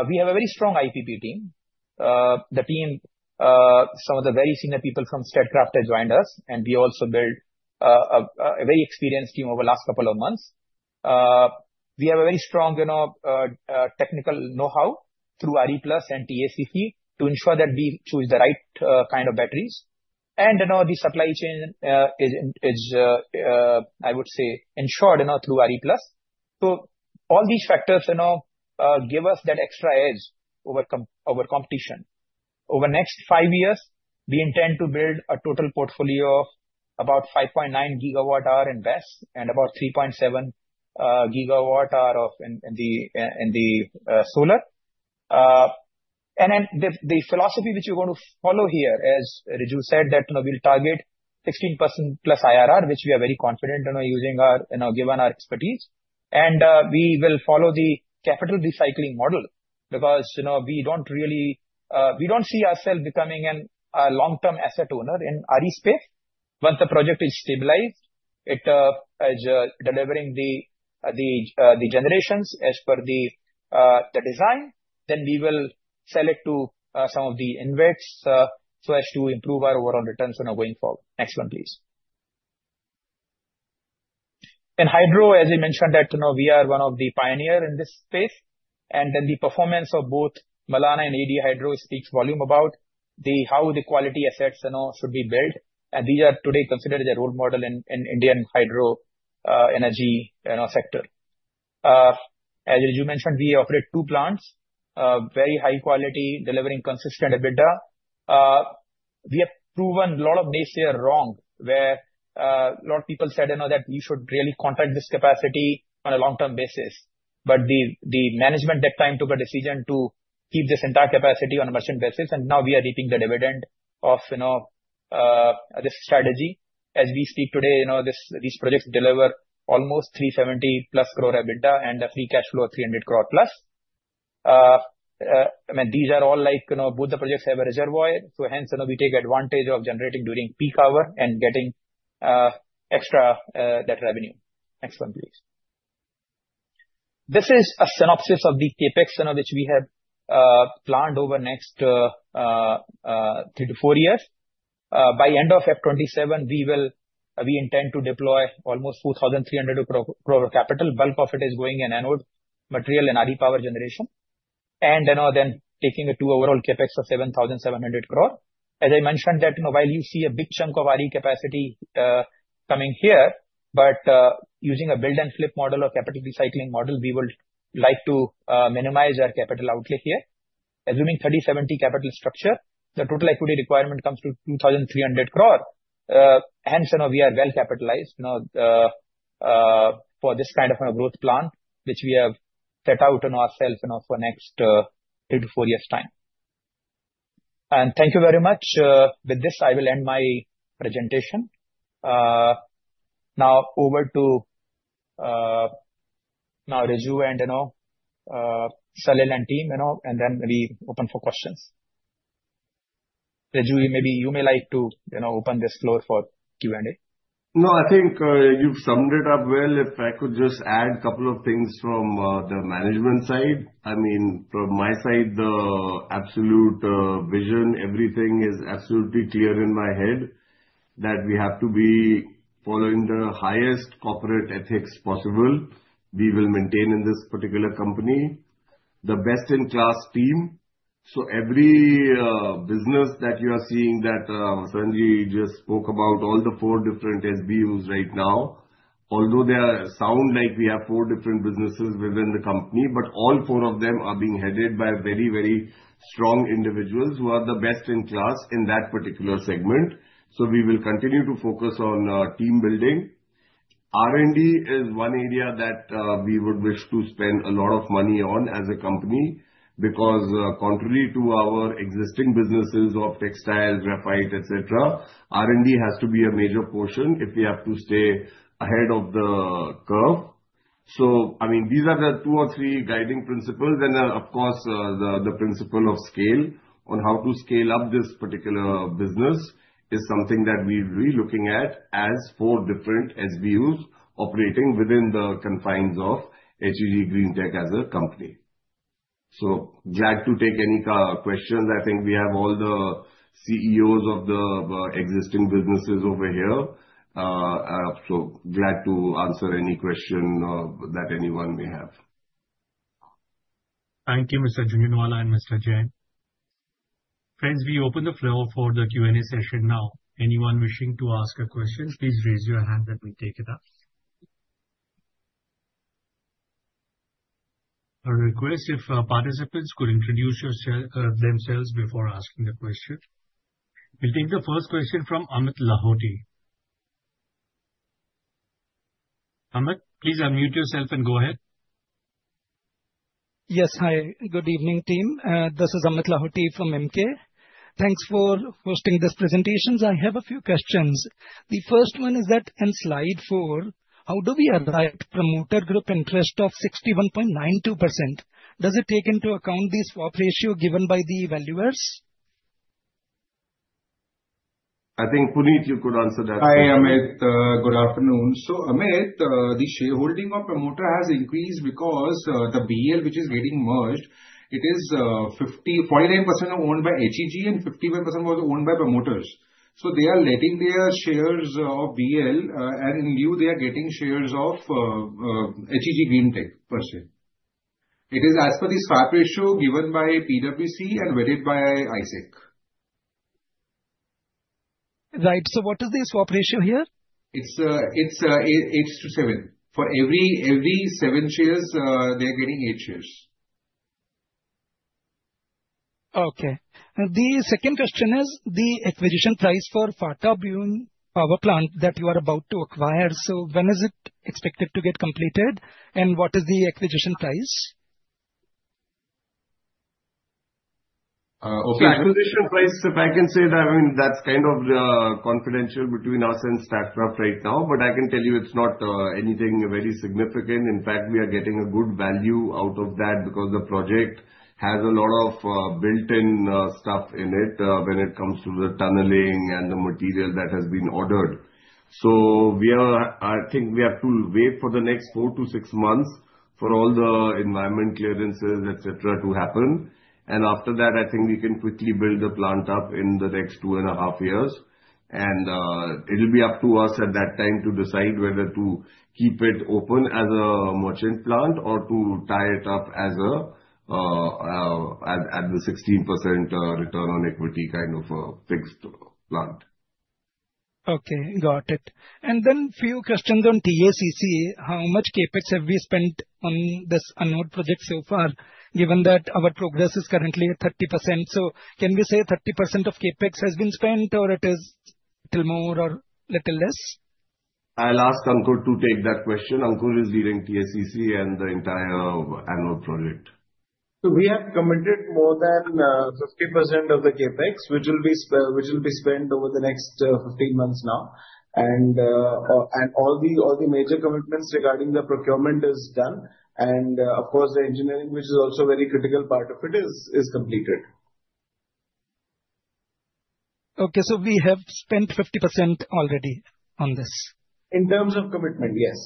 We have a very strong IPP team. The team, some of the very senior people from Statkraft, have joined us. We also built a very experienced team over the last couple of months. We have a very strong technical know-how through RE Plus and TACC to ensure that we choose the right kind of batteries. The supply chain is, I would say, ensured through RE Plus. So all these factors give us that extra edge over competition. Over the next five years, we intend to build a total portfolio of about 5.9 gigawatt-hours in BESS and about 3.7 gigawatt-hours in the solar. The philosophy which we're going to follow here, as Riju said, that we'll target 16% plus IRR, which we are very confident in using given our expertise. We will follow the capital recycling model because we don't see ourselves becoming a long-term asset owner in RE space. Once the project is stabilized, it is delivering the generation as per the design, then we will sell it to some of the investors to improve our overall returns going forward. Next one, please. In hydro, as I mentioned, we are one of the pioneers in this space, and then the performance of both Malana and AD Hydro speaks volumes about how the quality assets should be built, and these are today considered as role models in Indian hydro energy sector. As Riju mentioned, we operate two plants, very high quality, delivering consistent EBITDA. We have proven a lot of naysayers wrong, where a lot of people said that we should really contract this capacity on a long-term basis, but the management at that time took a decision to keep this entire capacity on a merchant basis, and now we are reaping the dividend of this strategy. As we speak today, these projects deliver almost 370+ crore EBITDA and a free cash flow of 300+ crore. I mean, these are all both the projects have a reservoir. So hence, we take advantage of generating during peak hour and getting extra revenue. Next one, please. This is a synopsis of the CapEx which we have planned over the next three to four years. By end of F 2027, we intend to deploy almost 4,300 crore capital. Bulk of it is going in anode material and RE power generation. And then taking a two-year overall CapEx of 7,700 crore. As I mentioned, while you see a big chunk of RE capacity coming here, but using a build-and-flip model or capital recycling model, we would like to minimize our capital outlay here. Assuming 30-70 capital structure, the total equity requirement comes to 2,300 crore. Hence, we are well capitalized for this kind of growth plan, which we have set out ourselves for the next three to four years' time. And thank you very much. With this, I will end my presentation. Now over to Riju and Salil and team, and then maybe open for questions. Riju, maybe you may like to open this floor for Q&A. No, I think you've summed it up well. If I could just add a couple of things from the management side. I mean, from my side, the absolute vision, everything is absolutely clear in my head that we have to be following the highest corporate ethics possible. We will maintain in this particular company the best-in-class team. So every business that you are seeing that Sanjeev just spoke about, all the four different SBUs right now, although they sound like we have four different businesses within the company, but all four of them are being headed by very, very strong individuals who are the best in class in that particular segment. So we will continue to focus on team building. R&D is one area that we would wish to spend a lot of money on as a company because contrary to our existing businesses of textiles, graphite, etc., R&D has to be a major portion if we have to stay ahead of the curve. So I mean, these are the two or three guiding principles. Of course, the principle of scale on how to scale up this particular business is something that we'll be looking at as four different SBUs operating within the confines of HEG Greentech as a company. So glad to take any questions. I think we have all the CEOs of the existing businesses over here. So glad to answer any question that anyone may have. Thank you, Mr. Jhunjhunwala and Mr. Jain. Friends, we open the floor for the Q&A session now. Anyone wishing to ask a question, please raise your hand and we'll take it up. A request, if participants could introduce themselves before asking the question. We'll take the first question from Amit Lahoti. Amit, please unmute yourself and go ahead. Yes, hi. Good evening, team. This is Amit Lahoti from Emkay. Thanks for hosting this presentation. I have a few questions. The first one is that in slide four, how do we arrive at promoter group interest of 61.92%? Does it take into account this swap ratio given by the valuers? I think Puneet, you could answer that. Hi, Amit. Good afternoon. So Amit, the shareholding of promoter has increased because the BEL, which is getting merged, it is 49% owned by HEG and 51% was owned by promoters. So they are letting their shares of BEL, and in lieu, they are getting shares of HEG Greentech, per se. It is as per the swap ratio given by PwC and weighted by ICICI. Right. So what is the swap ratio here? It's 8 to 7. For every seven shares, they're getting eight shares. Okay. The second question is the acquisition price for Phata Byung Power Plant that you are about to acquire. So when is it expected to get completed? What is the acquisition price? Okay. The acquisition price, if I can say that, I mean, that's kind of confidential between us and Statkraft right now. But I can tell you it's not anything very significant. In fact, we are getting a good value out of that because the project has a lot of built-in stuff in it when it comes to the tunneling and the material that has been ordered. So I think we have to wait for the next four-to-six months for all the environmental clearances, etc., to happen. And after that, I think we can quickly build the plant up in the next two and a half years. And it'll be up to us at that time to decide whether to keep it open as a merchant plant or to tie it up as the 16% return on equity kind of a fixed plant. Okay. Got it. And then a few questions on TACC. How much CapEx have we spent on this anode project so far, given that our progress is currently at 30%? So can we say 30% of CapEx has been spent, or it is a little more or a little less? I'll ask Ankur to take that question. Ankur is leading TACC and the entire anode project. So we have committed more than 50% of the CapEx, which will be spent over the next 15 months now. And all the major commitments regarding the procurement is done. And of course, the engineering, which is also a very critical part of it, is completed. Okay. So we have spent 50% already on this. In terms of commitment, yes.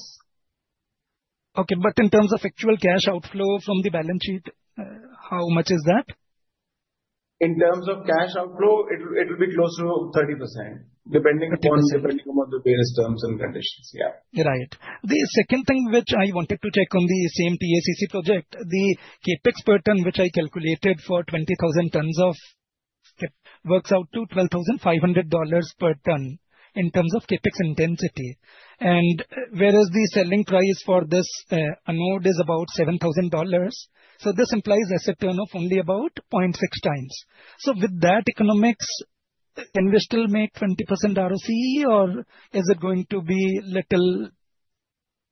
Okay. But in terms of actual cash outflow from the balance sheet, how much is that? In terms of cash outflow, it will be close to 30%, depending upon the various terms and conditions. Yeah. Right. The second thing which I wanted to check on the same TACC project, the CapEx per ton, which I calculated for 20,000 tons of CapEx, works out to $12,500 per ton in terms of CapEx intensity. And whereas the selling price for this anode is about $7,000, so this implies asset turnover only about 0.6 times. So with that economics, can we still make 20% ROC, or is it going to be a little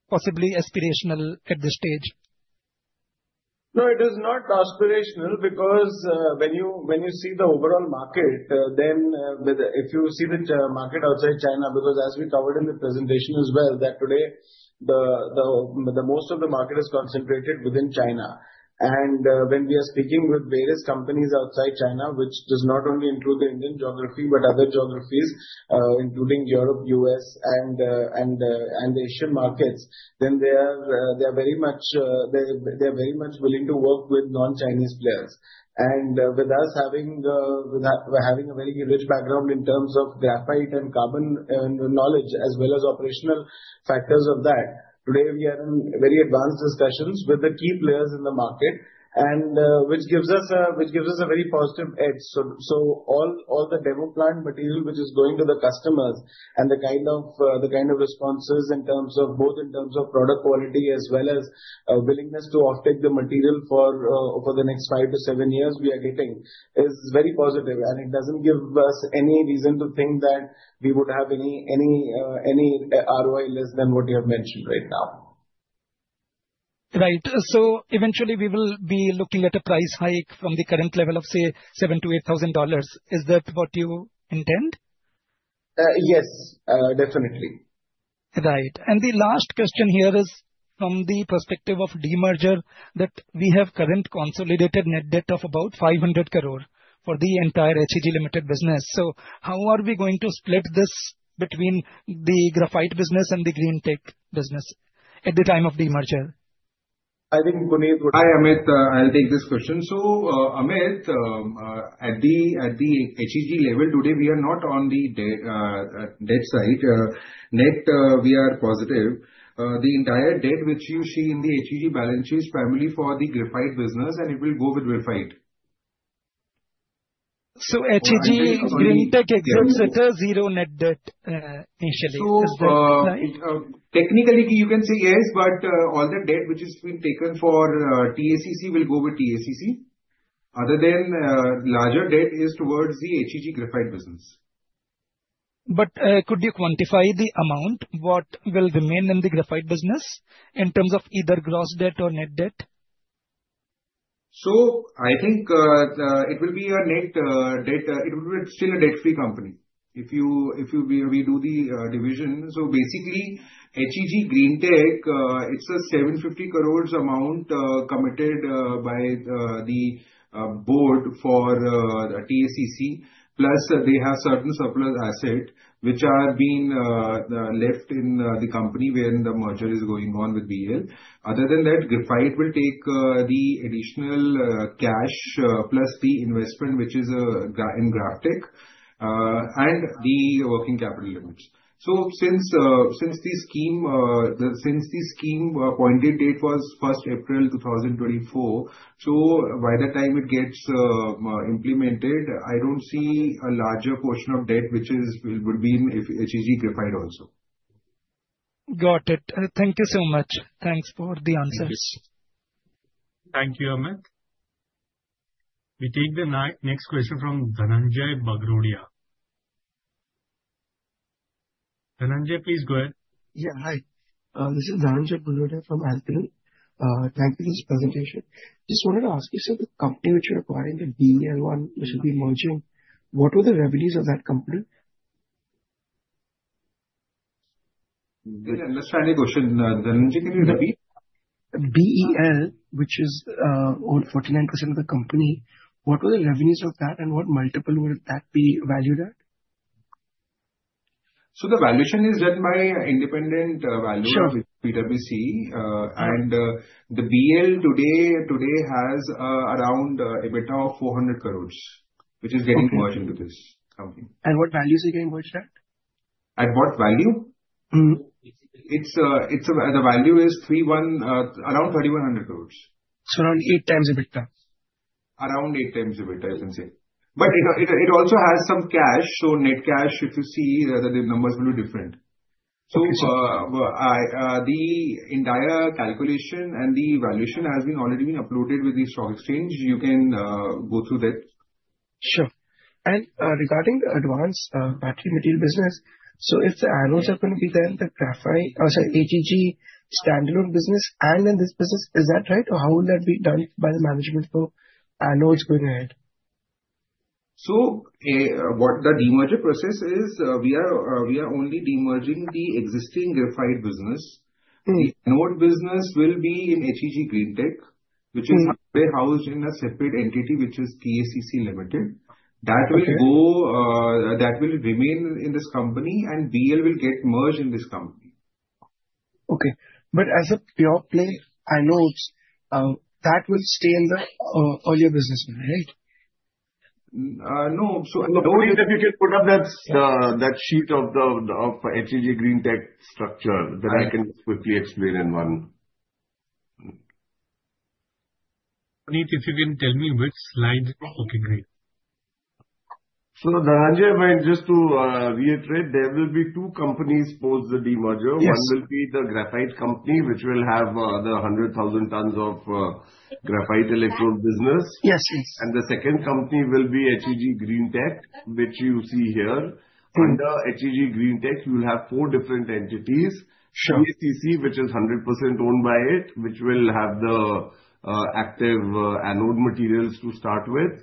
possibly aspirational at this stage? No, it is not aspirational because when you see the overall market, then if you see the market outside China, because as we covered in the presentation as well, that today, most of the market is concentrated within China. And when we are speaking with various companies outside China, which does not only include the Indian geography but other geographies, including Europe, U.S., and the Asian markets, then they are very much willing to work with non-Chinese players. And with us having a very rich background in terms of graphite and carbon knowledge as well as operational factors of that, today, we are in very advanced discussions with the key players in the market, which gives us a very positive edge. So all the demo plant material, which is going to the customers, and the kind of responses in terms of both product quality as well as willingness to offtake the material for the next five to seven years we are getting is very positive. It doesn't give us any reason to think that we would have any ROI less than what you have mentioned right now. Right. So eventually, we will be looking at a price hike from the current level of, say, $7,000 to $8,000. Is that what you intend? Yes, definitely. Right. And the last question here is from the perspective of demerger that we have current consolidated net debt of about 500 crore for the entire HEG Limited business. So how are we going to split this between the graphite business and the green tech business at the time of demerger? I think Puneet would. Hi, Amit. I'll take this question. So Amit, at the HEG level, today, we are not on the debt side. Net, we are positive. The entire debt which you see in the HEG balance sheet is primarily for the graphite business, and it will go with graphite. So HEG Greentech exists at a zero net debt initially. Is that right? So technically, you can say yes, but all the debt which has been taken for TACC will go with TACC. Other than larger debt is towards the HEG graphite business. But could you quantify the amount what will remain in the graphite business in terms of either gross debt or net debt? So I think it will be a net debt. It will still be a debt-free company if we do the division. So basically, HEG Greentech, it's a 750 crore amount committed by the board for TACC. Plus, they have certain surplus assets which are being left in the company when the merger is going on with BEL. Other than that, graphite will take the additional cash plus the investment which is in GrafTech and the working capital limits. So since the scheme appointed date was 1st April 2024, so by the time it gets implemented, I don't see a larger portion of debt which would be in HEG Graphite also. Got it. Thank you so much. Thanks for the answers. Thank you, Amit. We take the next question from Dhananjai Bagrodia.Dhananjay, please go ahead. Yeah, hi. This is Dhananjay Bagrodia from Alpine Capital. Thank you for this presentation. Just wanted to ask you, so the company which you're acquiring, the BEL one, which will be merging, what were the revenues of that company? I understand the question. Dhananjay, can you repeat? BEL, which is owned 49% of the company, what were the revenues of that, and what multiple would that be valued at? So the valuation is done by independent valuers with PwC. And the BEL today has around EBITDA of 400 crore, which is getting merged into this company. At what value is it getting merged at? At what value? The value is around 3,100 crore. So around eight times EBITDA? Around eight times EBITDA, you can say. But it also has some cash. So net cash, if you see, the numbers will be different. So the entire calculation and the valuation has already been uploaded with the stock exchange. You can go through that. Sure. And regarding the advanced battery material business, so if the anodes are going to be then the HEG standalone business and then this business, is that right? Or how will that be done by the management for anodes going ahead? So what the demerger process is, we are only demerging the existing graphite business. The anode business will be in HEG Greentech, which is housed in a separate entity, which is TACC Limited. That will remain in this company, and BEL will get merged in this company. Okay. But as a pure play anodes, that will stay in the earlier business, right? No. So if you can put up that sheet of HEG Greentech structure that I can quickly explain in one. Puneet, if you can tell me which slide it's looking like. So Dhananjay, just to reiterate, there will be two companies post the demerger. One will be the graphite company, which will have the 100,000 tons of graphite electrode business. And the second company will be HEG Greentech, which you see here. Under HEG Greentech, you will have four different entities: TACC, which is 100% owned by it, which will have the active anode materials to start with.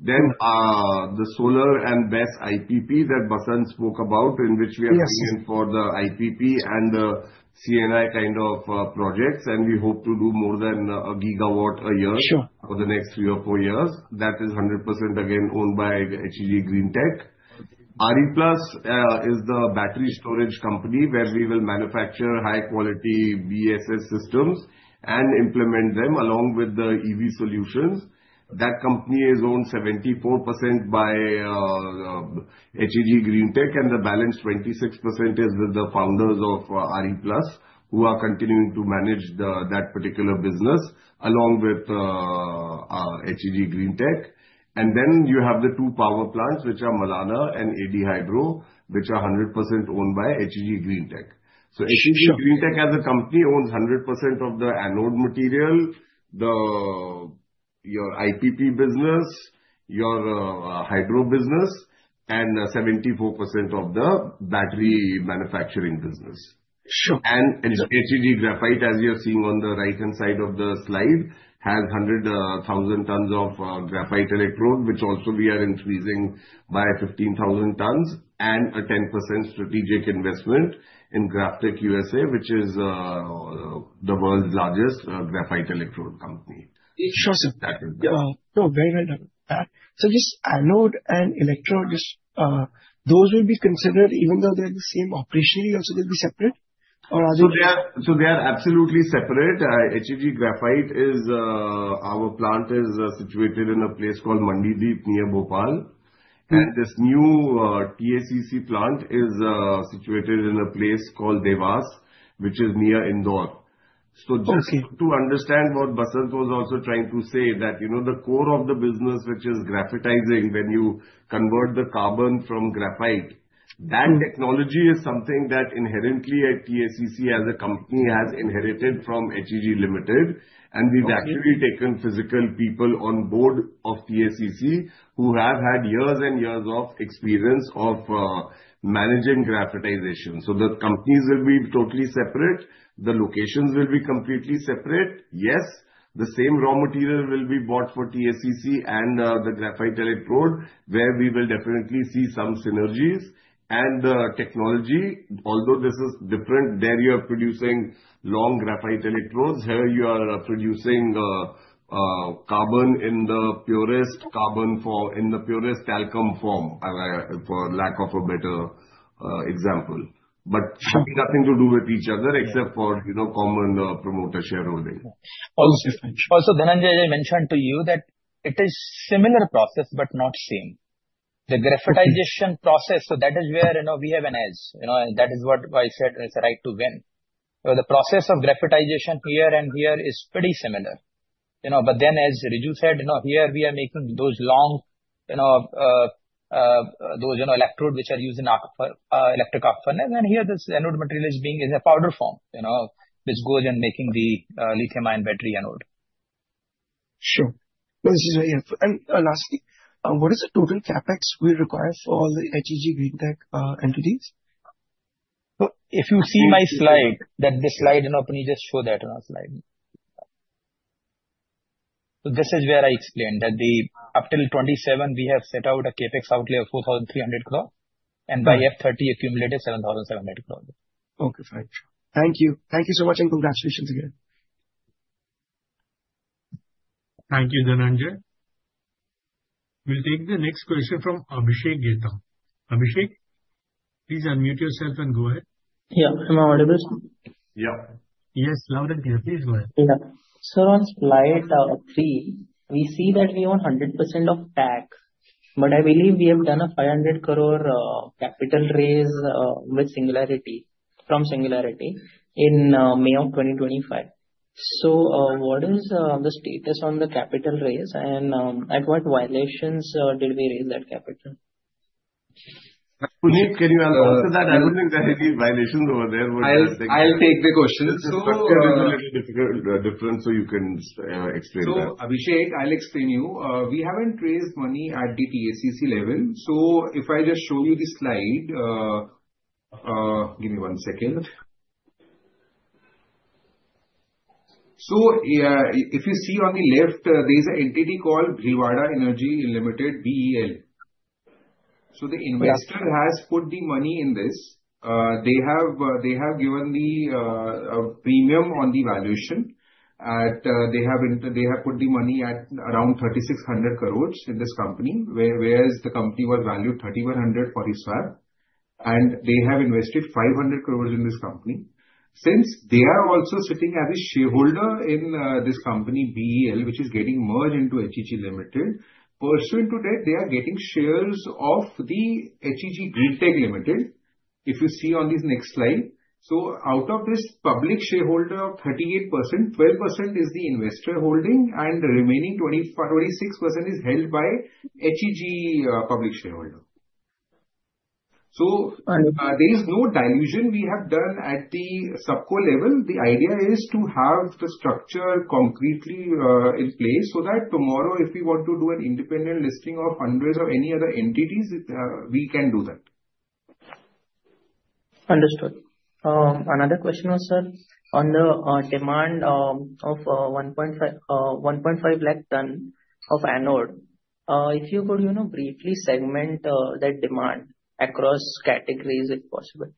The solar and BESS IPP that Basant spoke about, in which we are looking for the IPP and the C&I kind of projects. We hope to do more than a gigawatt a year for the next three or four years. That is 100%, again, owned by HEG GreenTech. RePlus is the battery storage company where we will manufacture high-quality BESS systems and implement them along with the EV solutions. That company is owned 74% by HEG GreenTech, and the balance 26% is with the founders of RePlus, who are continuing to manage that particular business along with HEG GreenTech. You have the two power plants, which are Malana and AD Hydro, which are 100% owned by HEG GreenTech. HEG GreenTech, as a company, owns 100% of the anode material, your IPP business, your hydro business, and 74% of the battery manufacturing business. HEG Graphite, as you're seeing on the right-hand side of the slide, has 100,000 tons of graphite electrode, which also we are increasing by 15,000 tons, and a 10% strategic investment in GrafTech USA, which is the world's largest graphite electrode company. Sure. So very, very nice. So this anode and electrode, those will be considered, even though they're the same operationally, also will be separate? Or are they? So they are absolutely separate. HEG Graphite is our plant is situated in a place called Mandideep near Bhopal. And this new TACC plant is situated in a place called Dewas, which is near Indore. So just to understand what Basant was also trying to say, that the core of the business, which is graphitizing, when you convert the carbon from graphite, that technology is something that inherently at TACC as a company has inherited from HEG Limited. We've actually taken physical people on board of TACC who have had years and years of experience of managing graphitization. So the companies will be totally separate. The locations will be completely separate. Yes, the same raw material will be bought for TACC and the graphite electrode, where we will definitely see some synergies. And technology, although this is different, there you are producing long graphite electrodes. Here you are producing carbon in the purest calcined form, for lack of a better example. But it should be nothing to do with each other except for common promoter shareholding. Also, Dhananjay, I mentioned to you that it is a similar process, but not same. The graphitization process, so that is where we have an edge. That is why I said it's a right to win. The process of graphitization here and here is pretty similar. But then, as Riju said, here we are making those long, those electrodes which are used in electric arc furnace. And here this anode material is being in a powder form, which goes and makes the lithium-ion battery anode. Sure. This is very helpful. And lastly, what is the total CapEx we require for all the HEG Greentech entities? If you see my slide, that the slide, Puneet, just show that on our slide. So this is where I explained that up till 27, we have set out a CapEx outlay of 4,300 crore, and by F30, accumulated 7,700 crore. Okay. Fine. Thank you. Thank you so much, and congratulations again. Thank you, Dhananjay. We'll take the next question from Abhishek Gite. Abhishek, please unmute yourself and go ahead. Yeah. Am I audible? Yeah. Yes. Loud and clear. Please go ahead. Yeah. So on slide three, we see that we own 100% of TACC. But I believe we have done a 500 crore capital raise from Singularity Growth in May of 2025. So what is the status on the capital raise? And at what valuation did we raise that capital? Puneet, can you answer that? I don't think there are any dilutions over there. I'll take the question. So it's a little difficult, different, so you can explain that. So Abhishek, I'll explain to you. We haven't raised money at the TACC level. So if I just show you the slide, give me one second. So if you see on the left, there is an entity called Bhilwara Energy Limited, BEL. So the investor has put the money in this. They have given the premium on the valuation. They have put the money at around 3,600 crore in this company, whereas the company was valued 3,100 crore for its fab, and they have invested 500 crore in this company. Since they are also sitting as a shareholder in this company, BEL, which is getting merged into HEG Limited, pursuant to that, they are getting shares of the HEG Greentech Limited, if you see on this next slide, so out of this public shareholder of 38%, 12% is the investor holding, and the remaining 26% is held by HEG public shareholder. So there is no dilution we have done at the subcore level. The idea is to have the structure concretely in place so that tomorrow, if we want to do an independent listing of hundreds of any other entities, we can do that. Understood. Another question was, sir, on the demand of 1.5 lakh ton of anode, if you could briefly segment that demand across categories if possible.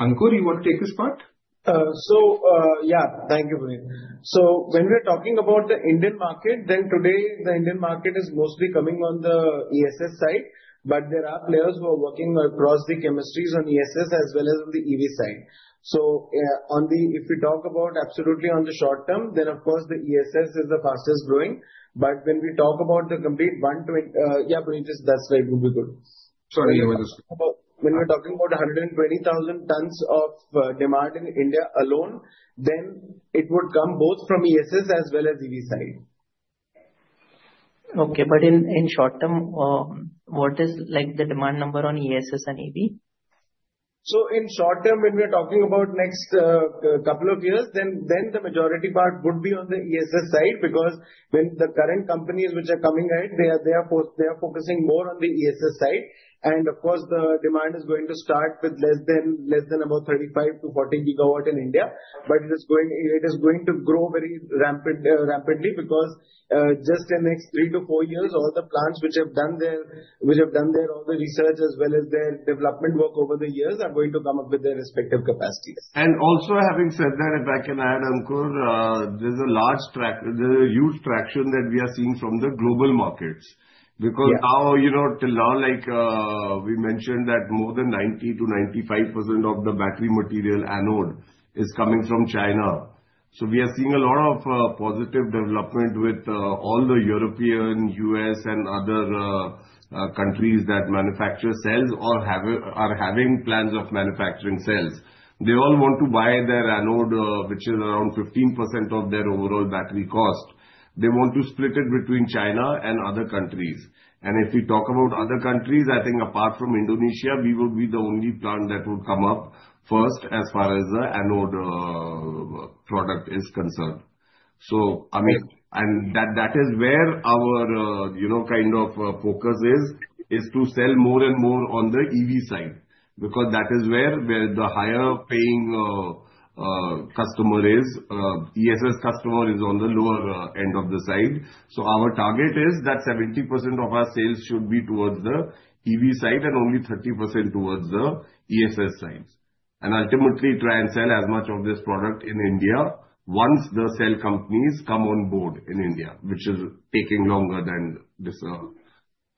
Ankur, you want to take this part? So yeah, thank you, Puneet. So when we're talking about the Indian market, then today, the Indian market is mostly coming on the ESS side. But there are players who are working across the chemistries on ESS as well as on the EV side. So if we talk about absolutely on the short term, then of course, the ESS is the fastest growing. But when we talk about the complete 120, yeah, Puneet, that's where it would be good. Sorry, you were just when we're talking about 120,000 tons of demand in India alone, then it would come both from ESS as well as EV side. Okay. But in short term, what is the demand number on ESS and EV? So in short term, when we're talking about next couple of years, then the majority part would be on the ESS side because when the current companies which are coming ahead, they are focusing more on the ESS side. And of course, the demand is going to start with less than about 35-40 gigawatts in India. But it is going to grow very rapidly because just in the next three to four years, all the plants which have done all their research as well as their development work over the years are going to come up with their respective capacities. And also having said that, if I can add, Ankur, there's a huge traction that we are seeing from the global markets. Because now, like we mentioned, that more than 90%-95% of the battery material anode is coming from China. So we are seeing a lot of positive development with all the European, U.S., and other countries that manufacture cells or are having plans of manufacturing cells. They all want to buy their anode, which is around 15% of their overall battery cost. They want to split it between China and other countries. And if we talk about other countries, I think apart from Indonesia, we will be the only plant that would come up first as far as the anode product is concerned. So I mean, and that is where our kind of focus is, is to sell more and more on the EV side. Because that is where the higher paying customer is, ESS customer is on the lower end of the side. So our target is that 70% of our sales should be towards the EV side and only 30% towards the ESS side. And ultimately, try and sell as much of this product in India once the cell companies come on board in India, which is taking longer than this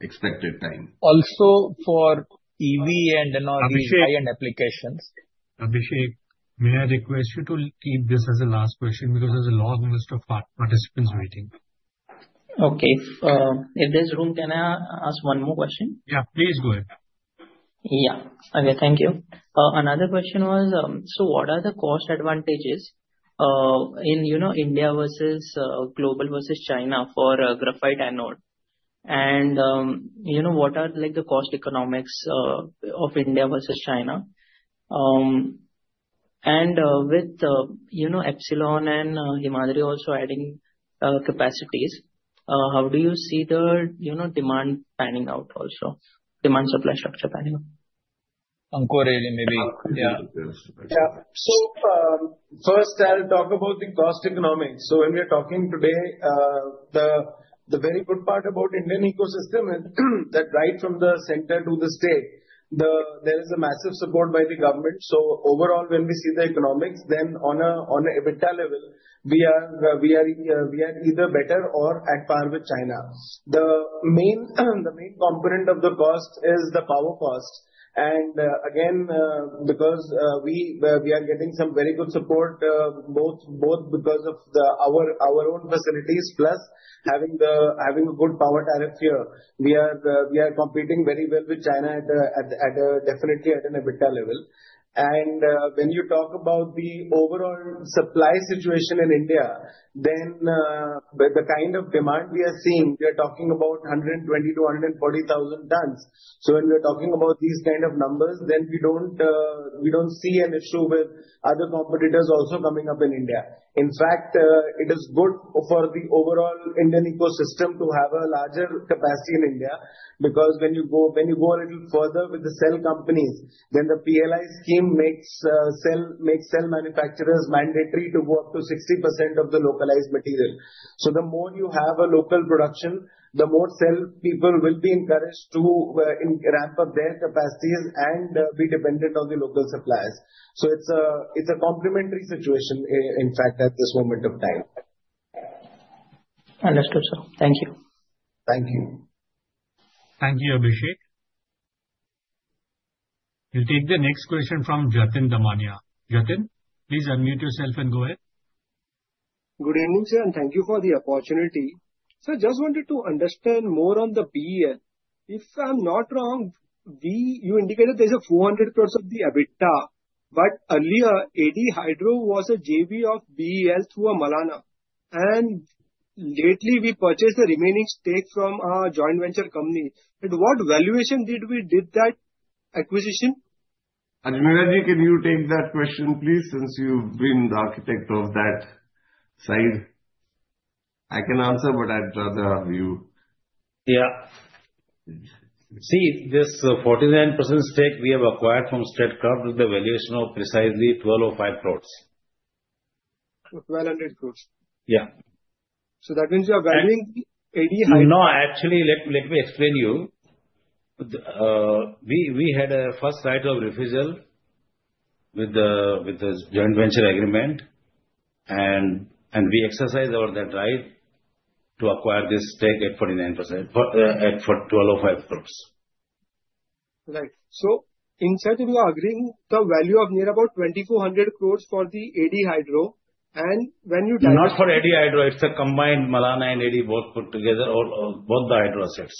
expected time. Also for EV and high-end applications. Abhishek, may I request you to keep this as a last question because there's a long list of participants waiting. Okay. If there's room, can I ask one more question? Yeah, please go ahead. Yeah. Okay. Thank you. Another question was, so what are the cost advantages in India versus global versus China for graphite anode? And what are the cost economics of India versus China? And with Epsilon and Himadri also adding capacities, how do you see the demand panning out also, demand supply structure panning out? Ankur, maybe. Yeah. First, I'll talk about the cost economics. When we are talking today, the very good part about the Indian ecosystem is that right from the center to the state, there is a massive support by the government. Overall, when we see the economics, then on an EBITDA level, we are either better or at par with China. The main component of the cost is the power cost. Again, because we are getting some very good support, both because of our own facilities, plus having a good power tariff here, we are competing very well with China at definitely at an EBITDA level. When you talk about the overall supply situation in India, then the kind of demand we are seeing, we are talking about 120,000-140,000 tons. So when we are talking about these kind of numbers, then we don't see an issue with other competitors also coming up in India. In fact, it is good for the overall Indian ecosystem to have a larger capacity in India. Because when you go a little further with the cell companies, then the PLI scheme makes cell manufacturers mandatory to go up to 60% of the localized material. So the more you have a local production, the more cell people will be encouraged to ramp up their capacities and be dependent on the local suppliers. So it's a complementary situation, in fact, at this moment of time. Understood, sir. Thank you. Thank you. Thank you, Abhishek. We'll take the next question from Jatin Damania. Jatin, please unmute yourself and go ahead. Good evening, sir. And thank you for the opportunity. I just wanted to understand more on the BEL. If I'm not wrong, you indicated there's 400 crore of the EBITDA. But earlier, AD Hydro was a JV of BEL through a Malana. And lately, we purchased the remaining stake from our joint venture company. At what valuation did we do that acquisition? Ajmera ji, can you take that question, please, since you've been the architect of that side? I can answer, but I'd rather have you. Yeah. See, this 49% stake we have acquired from Statkraft with the valuation of precisely 1,205 crores. 1,200 crores. Yeah. So that means you are valuing AD Hydro? No, actually, let me explain to you. We had a first right of refusal with the joint venture agreement. And we exercised our right to acquire this stake at 1,205 crores. Right. So instead of you agreeing to a value of near about 2,400 crores for the AD Hydro, and when you. Not for AD Hydro. It's a combined Malana and AD both put together, both the hydro assets.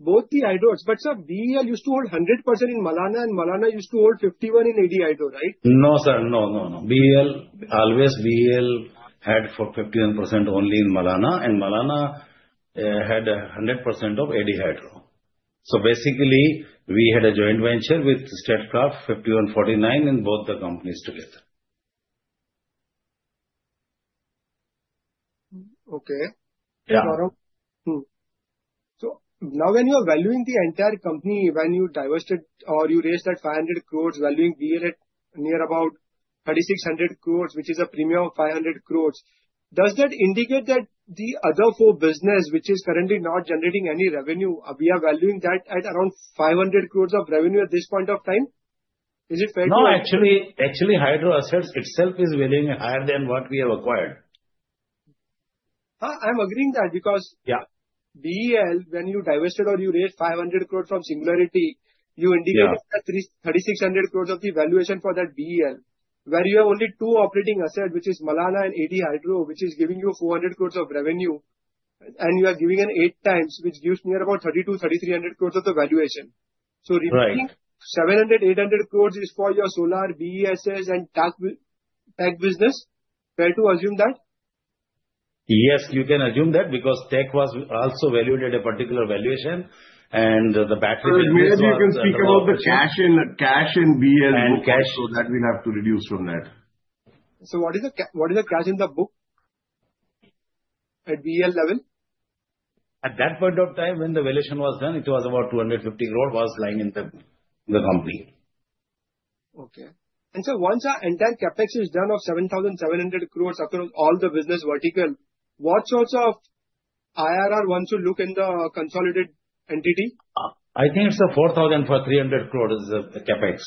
Both the hydro assets. But sir, BEL used to hold 100% in Malana, and Malana used to hold 51% in AD Hydro, right? No, sir. No, no, no. BEL always had 51% only in Malana, and Malana had 100% of AD Hydro. So basically, we had a joint venture with Statkraft, 51%, 49% in both the companies together. Okay. So now, when you are valuing the entire company, when you divested or you raised that 500 crores, valuing BEL at near about 3,600 crores, which is a premium of 500 crores, does that indicate that the other four businesses, which are currently not generating any revenue, we are valuing that at around 500 crores of revenue at this point of time? Is it fair to? No, actually, hydro assets itself is valuing higher than what we have acquired. I'm agreeing that because BEL, when you divested or you raised 500 crores from Singularity, you indicated that 3,600 crores of the valuation for that BEL, where you have only two operating assets, which are Malana and AD Hydro, which are giving you 400 crores of revenue, and you are giving an eight times, which gives near about 3,200-3,300 crores of the valuation. So 700-800 crores is for your solar, BESS, and tech business. Fair to assume that? Yes, you can assume that because tech was also valued at a particular valuation, and the battery business was. Maybe you can speak about the cash in BEL book, so that we'll have to reduce from that. So what is the cash in the book at BEL level? At that point of time, when the valuation was done, it was about 250 crores was lying in the company. Okay. And sir, once our entire CapEx is done of 7,700 crores across all the business vertical, what sorts of IRR once you look in the consolidated entity? I think it's 4,300 crores is the CapEx.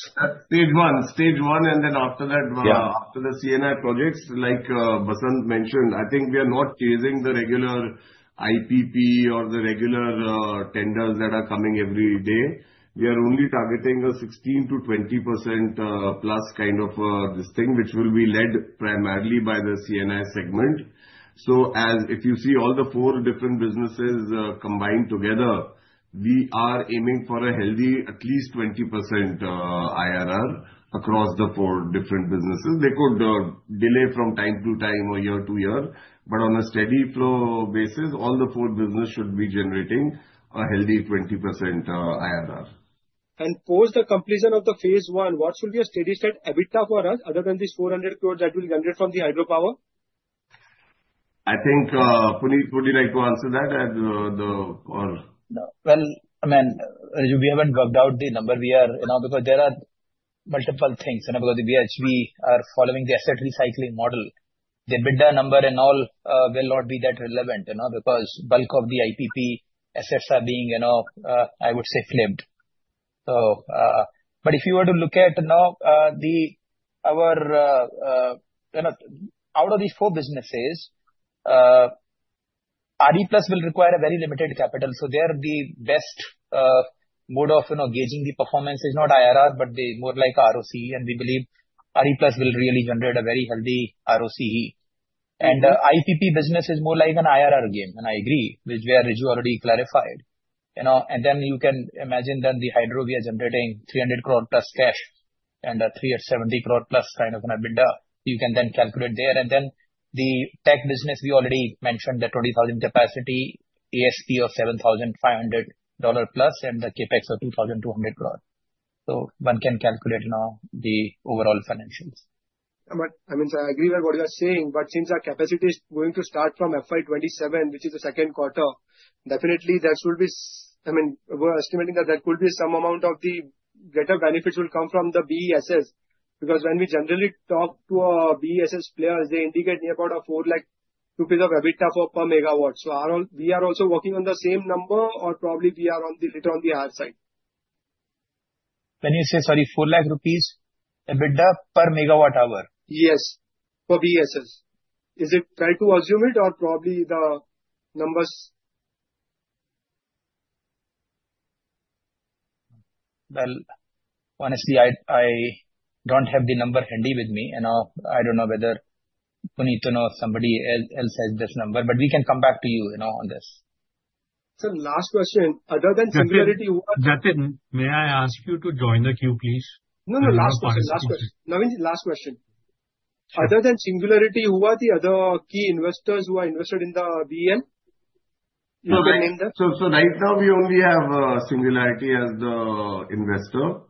Stage one, stage one, and then after that, after the C&I projects, like Basant mentioned, I think we are not chasing the regular IPP or the regular tenders that are coming every day. We are only targeting a 16%-20% plus kind of this thing, which will be led primarily by the C&I segment. So if you see all the four different businesses combined together, we are aiming for a healthy, at least 20% IRR across the four different businesses. They could delay from time to time or year to year, but on a steady flow basis, all the four businesses should be generating a healthy 20% IRR. And post the completion of the phase one, what should be a steady state EBITDA for us other than these 400 crores that we generate from the hydropower? I think Puneet, would you like to answer that? I mean, we haven't worked out the number we are because there are multiple things. Because we are following the asset recycling model, the EBITDA number and all will not be that relevant because the bulk of the IPP assets are being, I would say, flipped. But if you were to look at our out of these four businesses, RE+ will require a very limited capital. So they are the best mode of gauging the performance, not IRR, but more like ROC. And we believe RE+ will really generate a very healthy ROC. And the IPP business is more like an IRR game. And I agree, which we already clarified. And then you can imagine then the hydro we are generating 300 crore plus cash and 370 crore plus kind of an EBITDA. You can then calculate there. The tech business, we already mentioned the 20,000 capacity, ASP of $7,500 plus, and the CapEx of 2,200 crore. So one can calculate the overall financials. I mean, so I agree with what you are saying. But since our capacity is going to start from FY27, which is the second quarter, definitely that should be. I mean, we're estimating that there could be some amount of the better benefits will come from the BESS. Because when we generally talk to BESS players, they indicate near about 4 lakh rupees of EBITDA per megawatt. So we are also working on the same number, or probably we are later on the higher side. When you say, sorry, 4 lakh rupees EBITDA per megawatt hour? Yes, for BESS. Is it fair to assume it, or probably the numbers? Well, honestly, I don't have the number handy with me. And I don't know whether Puneet or somebody else has this number. But we can come back to you on this. Sir, last question. Other than Singularity, Jatin, may I ask you to join the queue, please? No, no, last question. Navinji, last question. Other than Singularity, who are the other key investors who are invested in the BEL? You can name them. So right now, we only have Singularity as the investor.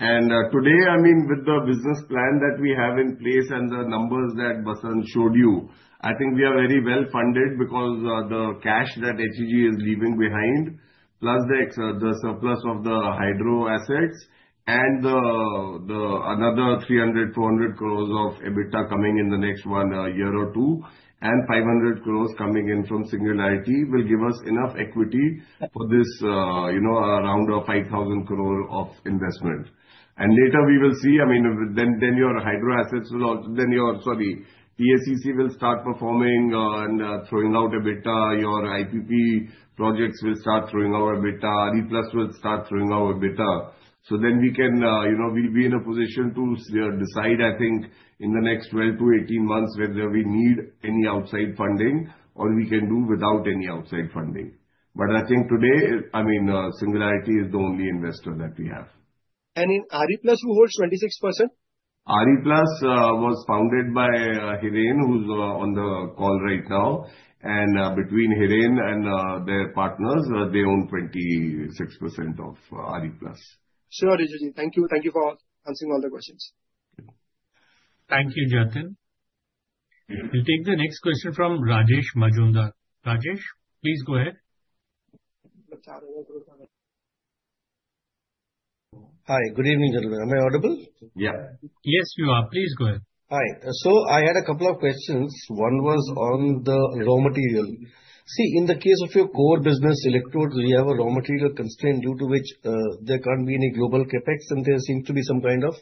And today, I mean, with the business plan that we have in place and the numbers that Basant showed you, I think we are very well funded because the cash that HEG is leaving behind, plus the surplus of the hydro assets, and another 300-400 crores of EBITDA coming in the next one year or two, and 500 crores coming in from Singularity will give us enough equity for this round of 5,000 crore of investment. And later we will see, I mean, then your hydro assets will, then your, sorry, TACC will start performing and throwing out EBITDA. Your IPP projects will start throwing out EBITDA. RePlus will start throwing out EBITDA. So then we can, we'll be in a position to decide, I think, in the next 12-18 months whether we need any outside funding or we can do without any outside funding. But I think today, I mean, Singularity is the only investor that we have. And in RePlus, who holds 26%? RePlus was founded by Hiren, who's on the call right now. And between Hiren and their partners, they own 26% of RePlus. Sure, Riju ji. Thank you. Thank you for answering all the questions. Thank you, Jatin. We'll take the next question from Rajesh Majumdar. Rajesh, please go ahead. Hi, good evening, Jatin. Am I audible? Yeah. Yes, you are. Please go ahead. Hi. So I had a couple of questions. One was on the raw material. See, in the case of your core business, electrodes, we have a raw material constraint due to which there can't be any global CapEx, and there seems to be some kind of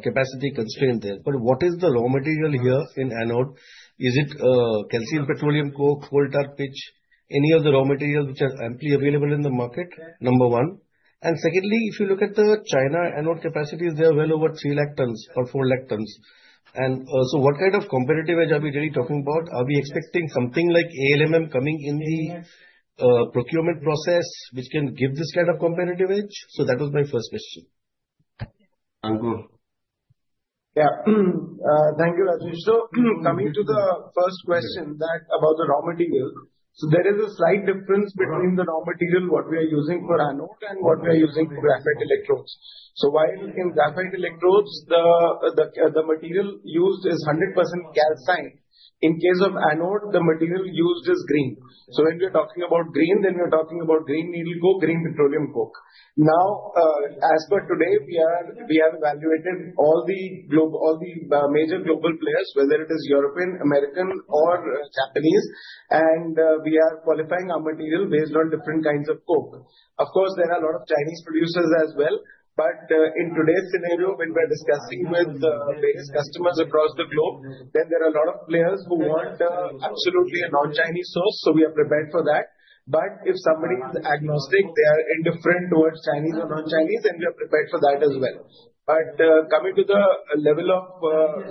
capacity constraint there. But what is the raw material here in anode? Is it calcined petroleum coke, coal tar pitch, any of the raw materials which are amply available in the market? Number one. And secondly, if you look at the China anode capacities, they are well over 3 lakh tons or 4 lakh tons. And so what kind of comparative edge are we really talking about? Are we expecting something like ALMM coming in the procurement process which can give this kind of comparative edge? So that was my first question. Ankur? Yeah. Thank you, Rajesh. Coming to the first question about the raw material, there is a slight difference between the raw material what we are using for anode and what we are using for graphite electrodes. While in graphite electrodes, the material used is 100% calcine, in case of anode, the material used is green. When we are talking about green, then we are talking about green needle coke, green petroleum coke. Now, as per today, we have evaluated all the major global players, whether it is European, American, or Japanese, and we are qualifying our material based on different kinds of coke. Of course, there are a lot of Chinese producers as well. But in today's scenario, when we are discussing with various customers across the globe, then there are a lot of players who want absolutely a non-Chinese source. We are prepared for that. But if somebody is agnostic, they are indifferent towards Chinese or non-Chinese, and we are prepared for that as well. But coming to the level of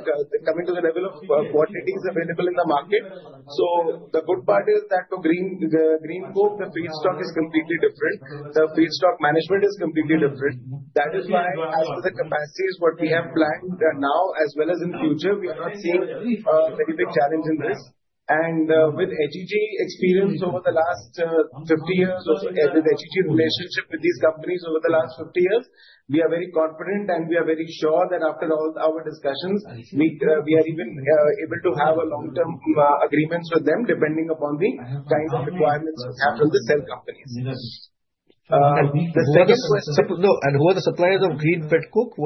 quantities available in the market, so the good part is that for green coke, the feedstock is completely different. The feedstock management is completely different. That is why, as for the capacities, what we have planned now as well as in the future, we are not seeing a very big challenge in this. And with HEG experience over the last 50 years, with HEG relationship with these companies over the last 50 years, we are very confident and we are very sure that after all our discussions, we are even able to have long-term agreements with them depending upon the kind of requirements we have from the cell companies. The second question. No, and who are the suppliers of green pet coke?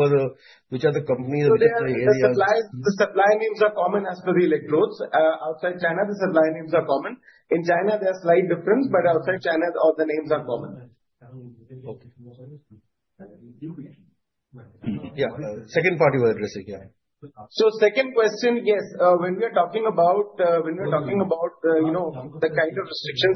Which are the companies in the area? The supply names are common as per the electrodes. Outside China, the supply names are common. In China, there are slight differences, but outside China, all the names are common. Yeah. Second part you were addressing. Yeah. So second question, yes, when we are talking about the kind of restrictions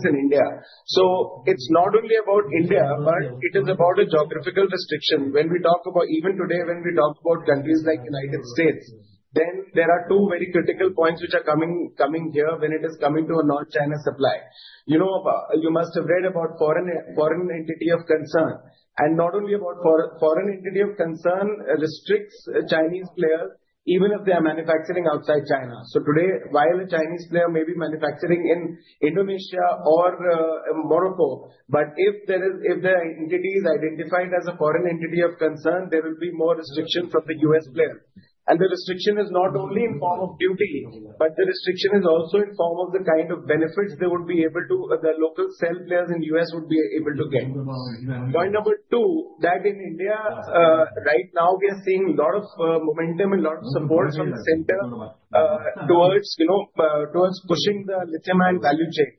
in India, so it's not only about India, but it is about a geographical restriction. When we talk about, even today, when we talk about countries like the United States, then there are two very critical points which are coming here when it is coming to a non-China supply. You must have read about foreign entity of concern. Not only about foreign entity of concern restricts Chinese players, even if they are manufacturing outside China. So today, while a Chinese player may be manufacturing in Indonesia or Morocco, but if the entity is identified as a foreign entity of concern, there will be more restriction from the U.S. player. And the restriction is not only in form of duty, but the restriction is also in form of the kind of benefits they would be able to, the local cell players in the U.S. would be able to get. Point number two, that in India, right now, we are seeing a lot of momentum and a lot of support from the center towards pushing the lithium-ion value chain.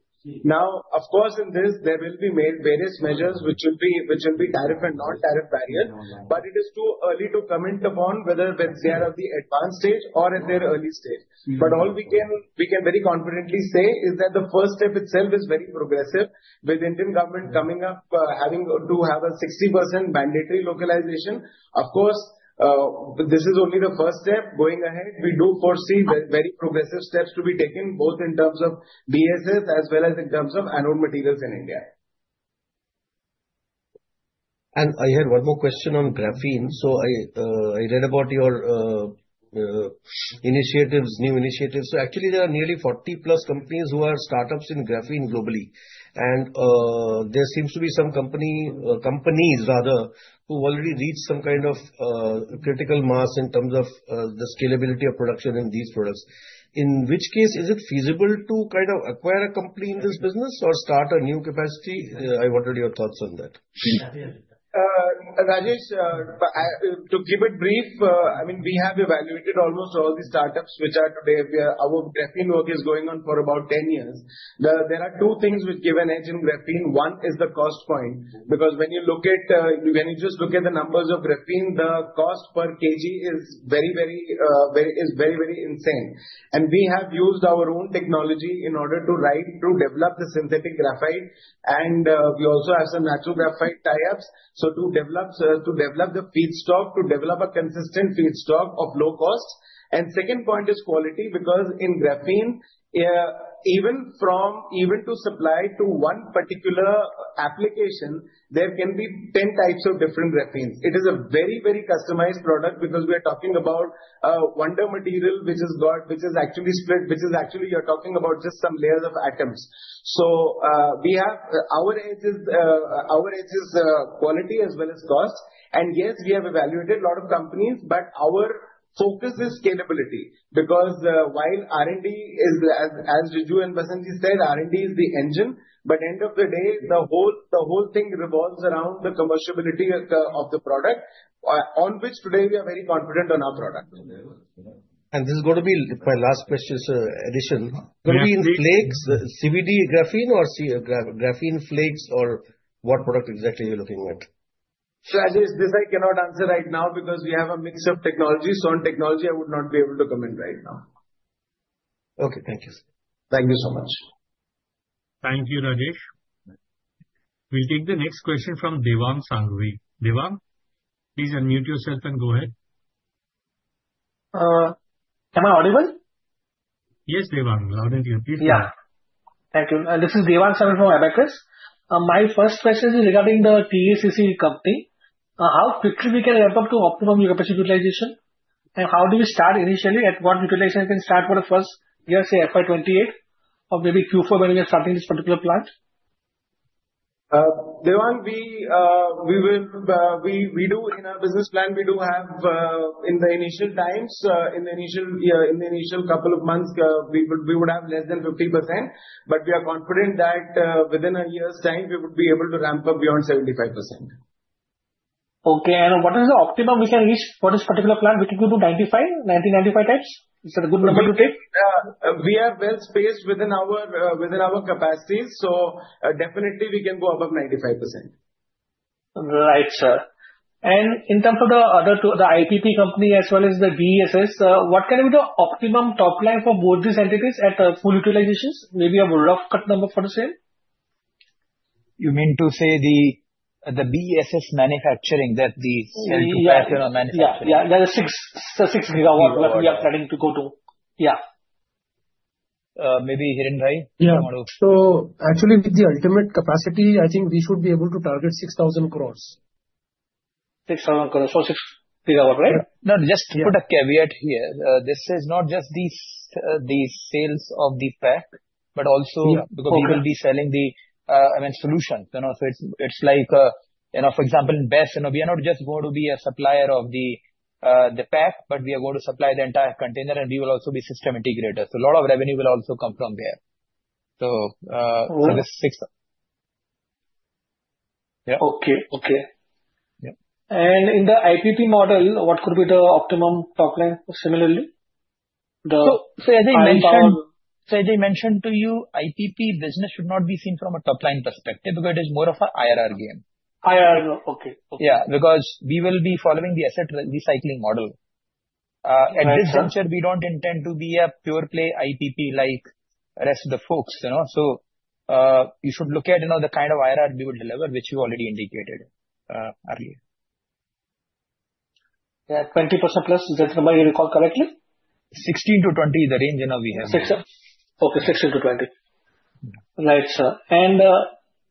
Now, of course, in this, there will be various measures which will be tariff and non-tariff barriers. But it is too early to comment upon whether they are at the advanced stage or at their early stage. But all we can very confidently say is that the first step itself is very progressive, with Indian government coming up to have a 60% mandatory localization. Of course, this is only the first step. Going ahead, we do foresee very progressive steps to be taken, both in terms of BESS as well as in terms of anode materials in India. And I had one more question on graphene. So I read about your initiatives, new initiatives. So actually, there are nearly 40 plus companies who are startups in graphene globally. And there seems to be some companies, rather, who have already reached some kind of critical mass in terms of the scalability of production in these products. In which case, is it feasible to kind of acquire a company in this business or start a new capacity? I wanted your thoughts on that. Rajesh, to keep it brief, I mean, we have evaluated almost all the startups which are today. Our graphene work is going on for about 10 years. There are two things which give an edge in graphene. One is the cost point. Because when you just look at the numbers of graphene, the cost per kg is very, very insane. And we have used our own technology in order to develop the synthetic graphite. And we also have some natural graphite tie-ups. So to develop the feedstock, to develop a consistent feedstock of low cost. And second point is quality. Because in graphene, even to supply to one particular application, there can be 10 types of different graphenes. It is a very, very customized product because we are talking about a wonder material which is actually split, which is actually you're talking about just some layers of atoms. So our edge is quality as well as cost. And yes, we have evaluated a lot of companies, but our focus is scalability. Because while R&D, as Riju and Basant said, R&D is the engine, but at the end of the day, the whole thing revolves around the commerciality of the product, on which today we are very confident on our product. And this is going to be my last question, so in addition. Going to be in flakes, CVD graphene or graphene flakes, or what product exactly are you looking at? So Rajesh, this I cannot answer right now because we have a mix of technologies. So on technology, I would not be able to comment right now. Okay. Thank you. Thank you so much. Thank you, Rajesh. We'll take the next question from Devang Sanghavi. Devang, please unmute yourself and go ahead. Am I audible? Yes, Devang. Loud and clear. Please go ahead. Yeah. Thank you. This is Devang Sanghavi from Abakkus. My first question is regarding the TACC company. How quickly we can ramp up to optimum capacity utilization? And how do we start initially? At what utilization can we start for the first year, say FY 2028 or maybe Q4 when we are starting this particular plant? Devang, we will, in our business plan, we do have in the initial times, in the initial couple of months, we would have less than 50%. But we are confident that within a year's time, we would be able to ramp up beyond 75%. Okay. And what is the optimum we can reach for this particular plant? We can go to 95, 90, 95 types. Is that a good number to take? We are well spaced within our capacities. So definitely, we can go above 95%. Right, sir. And in terms of the other two, the IPP company as well as the BESS, what can be the optimum top line for both these entities at full utilization? Maybe a rough cut number for the same. You mean to say the BESS manufacturing, that the cell-to-pack manufacturing? Yeah. Yeah. The 6 gigawatt that we are planning to go to. Yeah. Maybe Hiren, right? Yeah. So actually, with the ultimate capacity, I think we should be able to target 6,000 crores. 6,000 crores for 6 gigawatt, right? No, just put a caveat here. This is not just the sales of the pack, but also because we will be selling the, I mean, solution. It's like, for example, in BESS, we are not just going to be a supplier of the pack, but we are going to supply the entire container, and we will also be system integrators. A lot of revenue will also come from there. This is 6. Yeah. Okay. Okay. In the IPP model, what could be the optimum top line similarly? As I mentioned, so as I mentioned to you, IPP business should not be seen from a top line perspective because it is more of an IRR game. IRR. Okay. Okay. Yeah. We will be following the asset recycling model. At this juncture, we don't intend to be a pure-play IPP like the rest of the folks. You should look at the kind of IRR we will deliver, which you already indicated earlier. Yeah. 20% plus. Is that how you recall correctly? 16 to 20 is the range we have. Okay. 16 to 20. Right, sir. And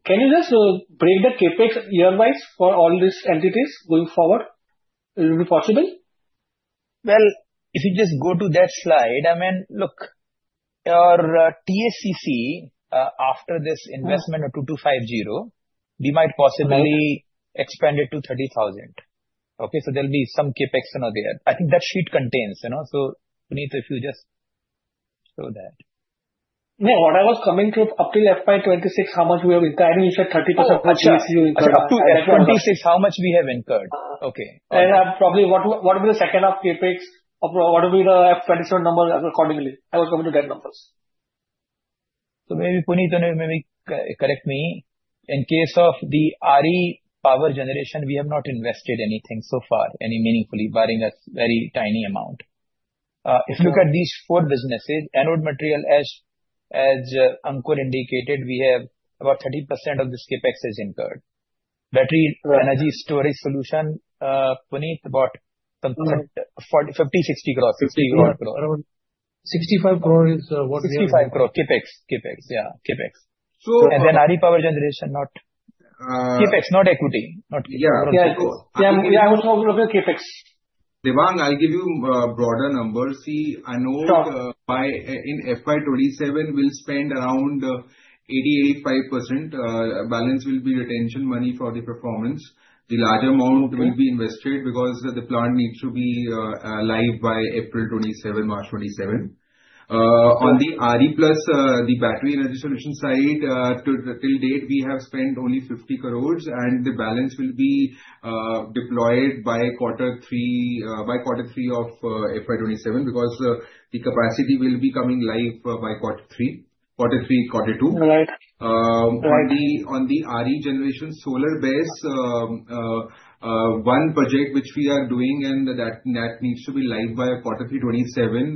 can you just break the CapEx year-wise for all these entities going forward? It will be possible? Well, if you just go to that slide, I mean, look, our TACC, after this investment of 2250, we might possibly expand it to 30,000. Okay. So there'll be some CapEx there. I think that sheet contains. So Puneet, if you just show that. No, what I was coming to, up to FY 2026, how much we have incurred? I think you said 30%. Up to FY 2026, how much we have incurred? Okay. And probably what will be the second half CapEx? What will be the FY 2027 number accordingly? I was coming to that number. So maybe Puneet, maybe correct me. In case of the RE power generation, we have not invested anything so far, any meaningfully, barring a very tiny amount. If you look at these four businesses, anode material, as Ankur indicated, we have about 30% of this CapEx is incurred. Battery energy storage solution, Puneet, about 50-60 crores. INR 65 crores is what we have. CapEx. And then RE power generation, not CapEx, not equity. I will talk about CapEx. Devang, I'll give you broader numbers. See, I know in FY 2027, we'll spend around 80-85%. Balance will be retention money for the performance. The larger amount will be invested because the plant needs to be live by April 27, March 27. On the RePlus, the battery energy solution side, to date, we have spent only 50 crores, and the balance will be deployed by quarter three of FY 2027 because the capacity will be coming live by quarter three, quarter three, quarter two. On the RE generation solar-based one project which we are doing, and that needs to be live by quarter three 2027,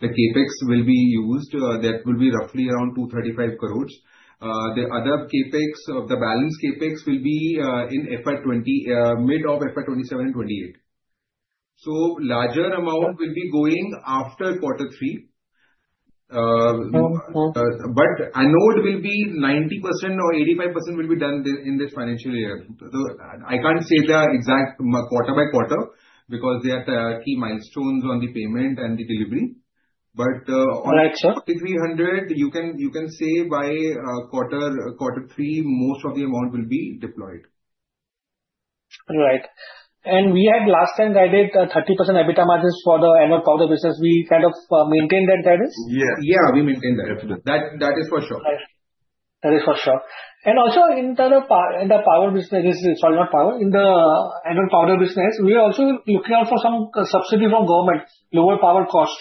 the CapEx will be used. That will be roughly around 235 crores. The other CapEx, the balance CapEx, will be in mid of FY 2027 and 2028. So larger amount will be going after quarter three. But anode will be 90% or 85% will be done in this financial year. I can't say the exact quarter by quarter because there are key milestones on the payment and the delivery. But on 4,300, you can say by quarter three, most of the amount will be deployed. Right. We had last time that I did 30% EBITDA margins for the anode powder business. We kind of maintained that, right? Yes. Yeah. We maintained that. That is for sure. That is for sure. And also in the power business, sorry, not power, in the anode powder business, we are also looking out for some subsidy from government, lower power cost.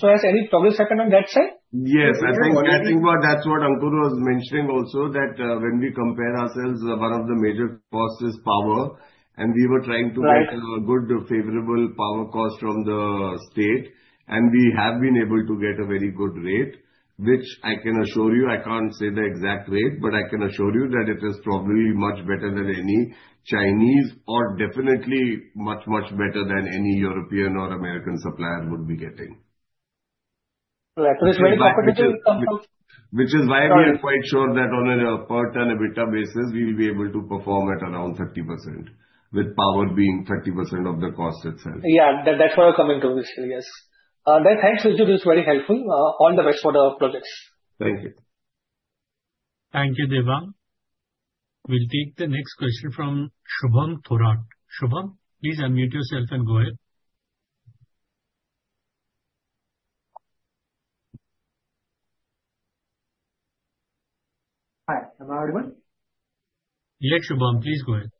So has any progress happened on that side? Yes. I think that's what Ankur was mentioning also, that when we compare ourselves, one of the major costs is power. And we were trying to get a good favorable power cost from the state. And we have been able to get a very good rate, which I can assure you. I can't say the exact rate, but I can assure you that it is probably much better than any Chinese or definitely much, much better than any European or American supplier would be getting. So that's very competitive. Which is why we are quite sure that on a per ton EBITDA basis, we will be able to perform at around 30%, with power being 30% of the cost itself. Yeah. That's what I'm coming to, initially. Yes. Thanks, Riju. This is very helpful. All the best for the projects. Thank you. Thank you, Devang. We'll take the next question from Shubham Thorat. Shubham, please unmute yourself and go ahead. Hi. Am I audible? Yes, Shubham. Please go ahead.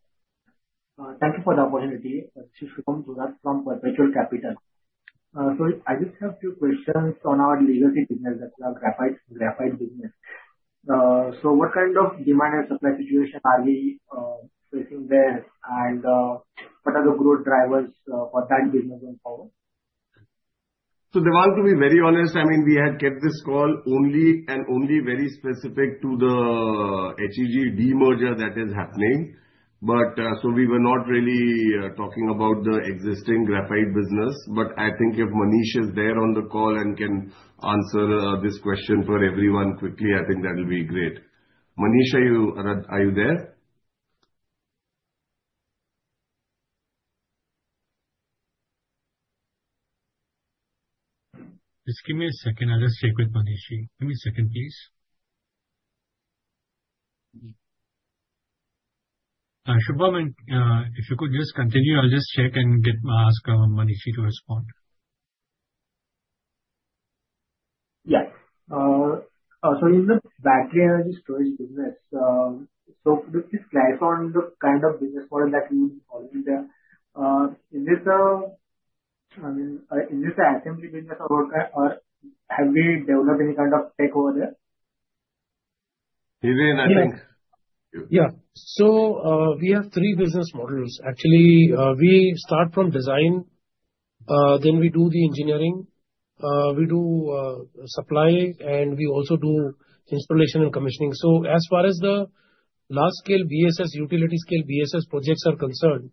Thank you for the opportunity. This is Shubham Thorat from Perpetual Capital. So I just have a few questions on our legacy business that we are graphite business. What kind of demand and supply situation are we facing there? And what are the growth drivers for that business going forward? So Devang, to be very honest, I mean, we had kept this call only and only very specific to the HEG demerger that is happening. But so we were not really talking about the existing graphite business. But I think if Manish is there on the call and can answer this question for everyone quickly, I think that will be great. Manish, are you there? Just give me a second. I'll just check with Manish. Give me a second, please. Shubham, if you could just continue, I'll just check and ask Manish to respond. Yeah. So in the battery energy storage business, so with this slice on the kind of business model that we are following there, is this a, I mean, is this an assembly business? Or have we developed any kind of tech over there? Hiren, I think. Yeah. We have three business models. Actually, we start from design, then we do the engineering, we do supply, and we also do installation and commissioning. As far as the large-scale BESS, utility-scale BESS projects are concerned,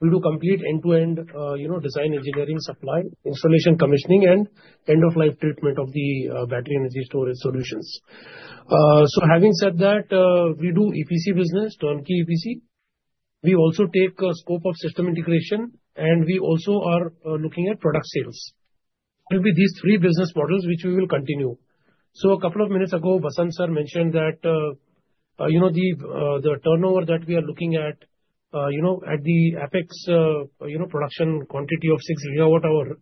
we do complete end-to-end design engineering, supply, installation, commissioning, and end-of-life treatment of the battery energy storage solutions. Having said that, we do EPC business, turnkey EPC. We also take a scope of system integration, and we also are looking at product sales. It will be these three business models which we will continue. A couple of minutes ago, Basant sir mentioned that the turnover that we are looking at at the apex production quantity of 6 gigawatt-hour.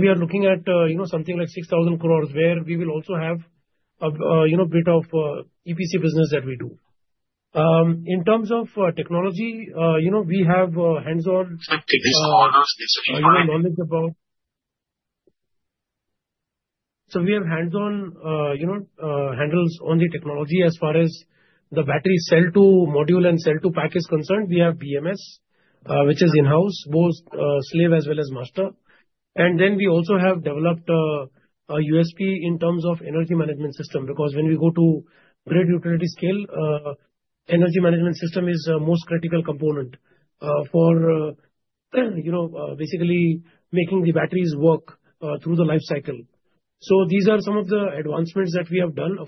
We are looking at something like 6,000 crores where we will also have a bit of EPC business that we do. In terms of technology, we have hands-on. Exactly. This is what I was mentioning. We have hands-on handles on the technology. As far as the battery cell-to-module and cell-to-pack is concerned, we have BMS, which is in-house, both slave as well as master. And then we also have developed a USP in terms of energy management system. Because when we go to grid utility scale, energy management system is the most critical component for basically making the batteries work through the life cycle. These are some of the advancements that we have done.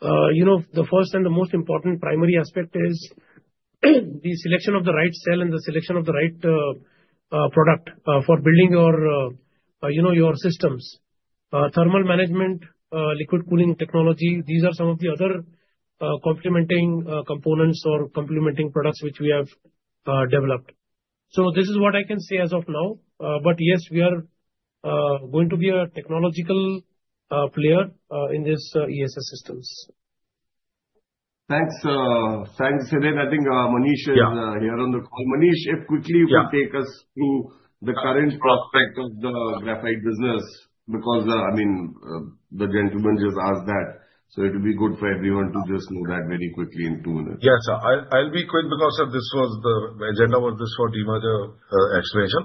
Of course, the first and the most important primary aspect is the selection of the right cell and the selection of the right product for building your systems. Thermal management, liquid cooling technology, these are some of the other complementing components or complementing products which we have developed. So this is what I can say as of now. But yes, we are going to be a technological player in these ESS systems. Thanks. Thanks. Hiren, I think Manish is here on the call. Manish, if quickly, you can take us through the current prospects of the graphite business. Because, I mean, the gentleman just asked that. So it will be good for everyone to just know that very quickly in two minutes. Yes, sir. I'll be quick because this was the agenda was this for demerger explanation.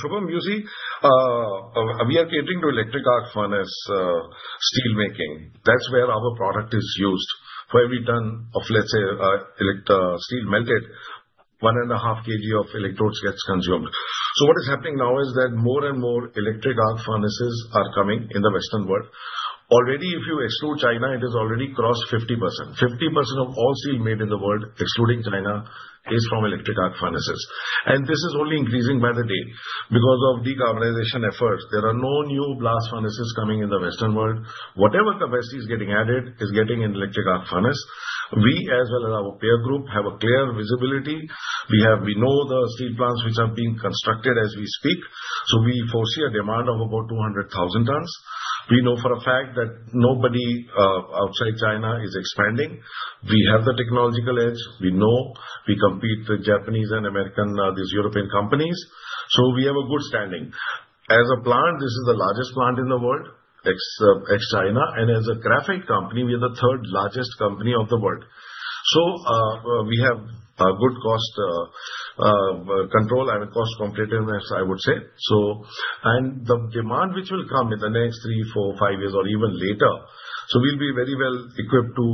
Shubham, you see, we are catering to electric arc furnace steel making. That's where our product is used. For every ton of, let's say, steel melted, one and a half kg of electrodes gets consumed. So what is happening now is that more and more electric arc furnaces are coming in the Western world. Already, if you exclude China, it has already crossed 50%. 50% of all steel made in the world, excluding China, is from electric arc furnaces. And this is only increasing by the day because of decarbonization efforts. There are no new blast furnaces coming in the Western world. Whatever capacity is getting added is getting an electric arc furnace. We, as well as our peer group, have a clear visibility. We know the steel plants which are being constructed as we speak. So we foresee a demand of about 200,000 tons. We know for a fact that nobody outside China is expanding. We have the technological edge. We know we compete with Japanese and American European companies. So we have a good standing. As a plant, this is the largest plant in the world, ex-China. And as a graphite company, we are the third largest company of the world. So we have good cost control, I mean, cost competitiveness, I would say. And the demand which will come in the next three, four, five years, or even later, so we'll be very well equipped to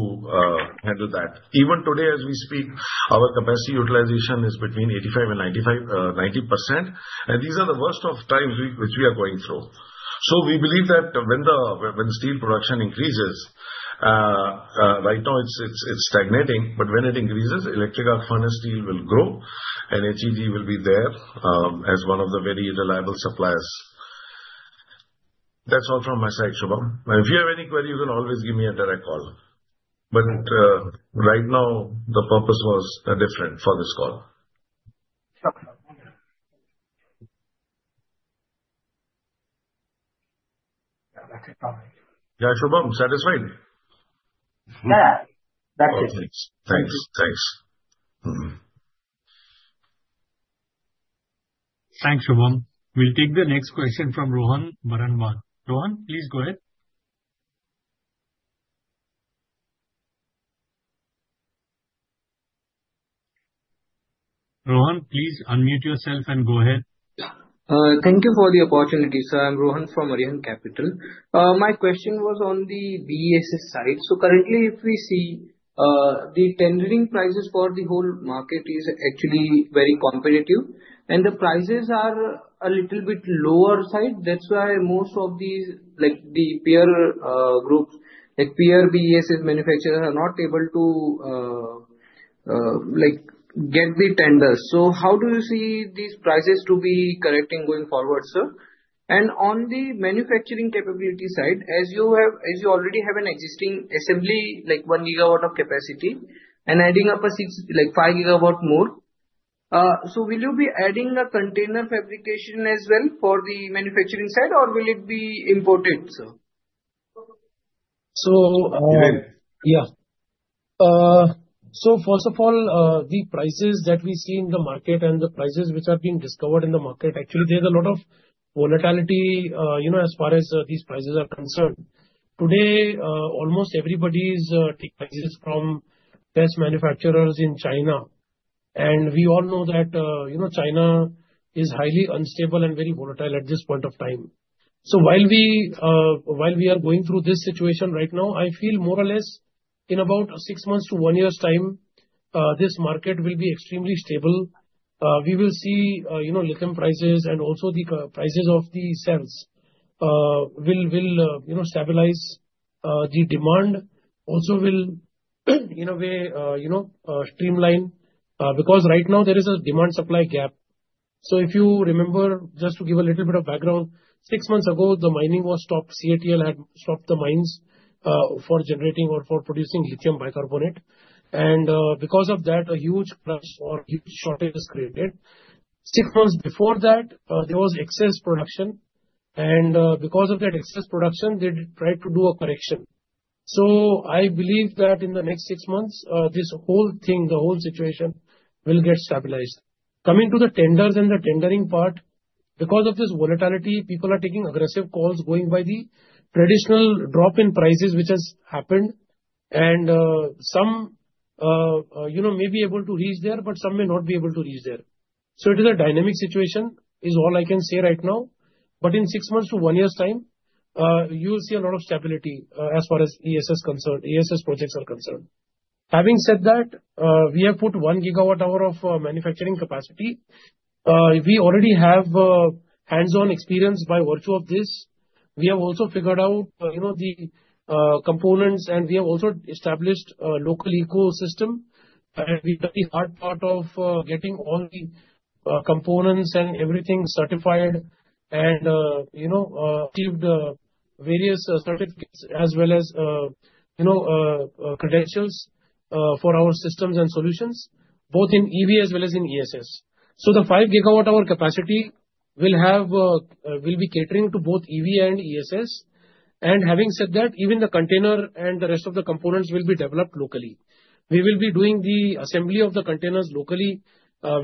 handle that. Even today, as we speak, our capacity utilization is between 85%-90%. And these are the worst of times which we are going through. So we believe that when steel production increases, right now it's stagnating, but when it increases, electric arc furnace steel will grow, and HEG will be there as one of the very reliable suppliers. That's all from my side, Shubham. If you have any query, you can always give me a direct call. But right now, the purpose was different for this call. Yeah. That's it, probably. Yeah. Shubham, satisfied? Yeah. That's it. Thanks. Thanks. Thanks. Thanks, Shubham. We'll take the next question from Rohan Baranwal. Rohan, please go ahead. Rohan, please unmute yourself and go ahead. Thank you for the opportunity. So I'm Rohan from Arihant Capital. My question was on the BESS side. So currently, if we see the tendering prices for the whole market is actually very competitive, and the prices are a little bit lower side. That's why most of the peer groups, like peer BESS manufacturers, are not able to get the tenders. So how do you see these prices to be correcting going forward, sir? On the manufacturing capability side, as you already have an existing assembly, like one gigawatt of capacity, and adding up a five gigawatt more, so will you be adding a container fabrication as well for the manufacturing side, or will it be imported, sir? So yeah. First of all, the prices that we see in the market and the prices which are being discovered in the market, actually, there's a lot of volatility as far as these prices are concerned. Today, almost everybody's prices from best manufacturers in China. We all know that China is highly unstable and very volatile at this point of time. While we are going through this situation right now, I feel more or less in about six months to one year's time, this market will be extremely stable. We will see lithium prices and also the prices of the cells will stabilize the demand, also will, in a way, streamline. Because right now, there is a demand-supply gap. So if you remember, just to give a little bit of background, six months ago, the mining was stopped. CATL had stopped the mines for generating or for producing lithium carbonate. And because of that, a huge crunch or huge shortage was created. Six months before that, there was excess production. And because of that excess production, they tried to do a correction. So I believe that in the next six months, this whole thing, the whole situation will get stabilized. Coming to the tenders and the tendering part, because of this volatility, people are taking aggressive calls going by the traditional drop in prices, which has happened. Some may be able to reach there, but some may not be able to reach there. It is a dynamic situation, is all I can say right now. In six months to one year's time, you will see a lot of stability as far as ESS projects are concerned. Having said that, we have put 1 gigawatt hour of manufacturing capacity. We already have hands-on experience by virtue of this. We have also figured out the components, and we have also established a local ecosystem. We are through the hard part of getting all the components and everything certified and achieved various certificates as well as credentials for our systems and solutions, both in EV as well as in ESS. The 5 gigawatt hour capacity will be catering to both EV and ESS. Having said that, even the container and the rest of the components will be developed locally. We will be doing the assembly of the containers locally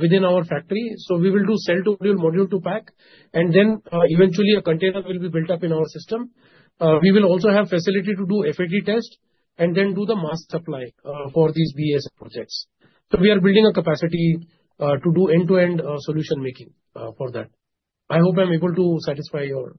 within our factory. So we will do cell-to-module-to-pack. And then eventually, a container will be built up in our system. We will also have facility to do FAT test and then do the mass supply for these BESS projects. So we are building a capacity to do end-to-end solution making for that. I hope I'm able to satisfy your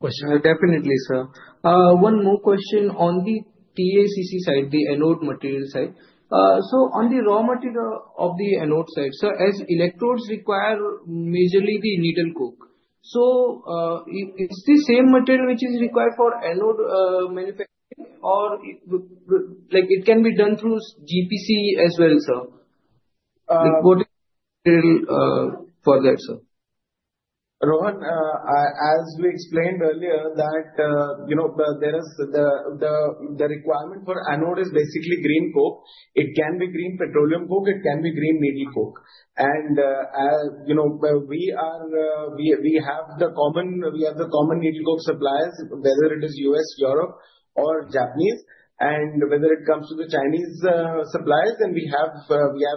question. Definitely, sir. One more question on the TACC side, the anode material side. So on the raw material of the anode side, sir, as electrodes require majorly the needle coke. So is the same material which is required for anode manufacturing, or it can be done through GPC as well, sir? What is the material for that, sir? Rohan, as we explained earlier, that there is the requirement for anode is basically green coke. It can be green petroleum coke. It can be green needle coke. And we have the common needle coke suppliers, whether it is U.S., Europe, or Japanese. And whether it comes to the Chinese suppliers, then we have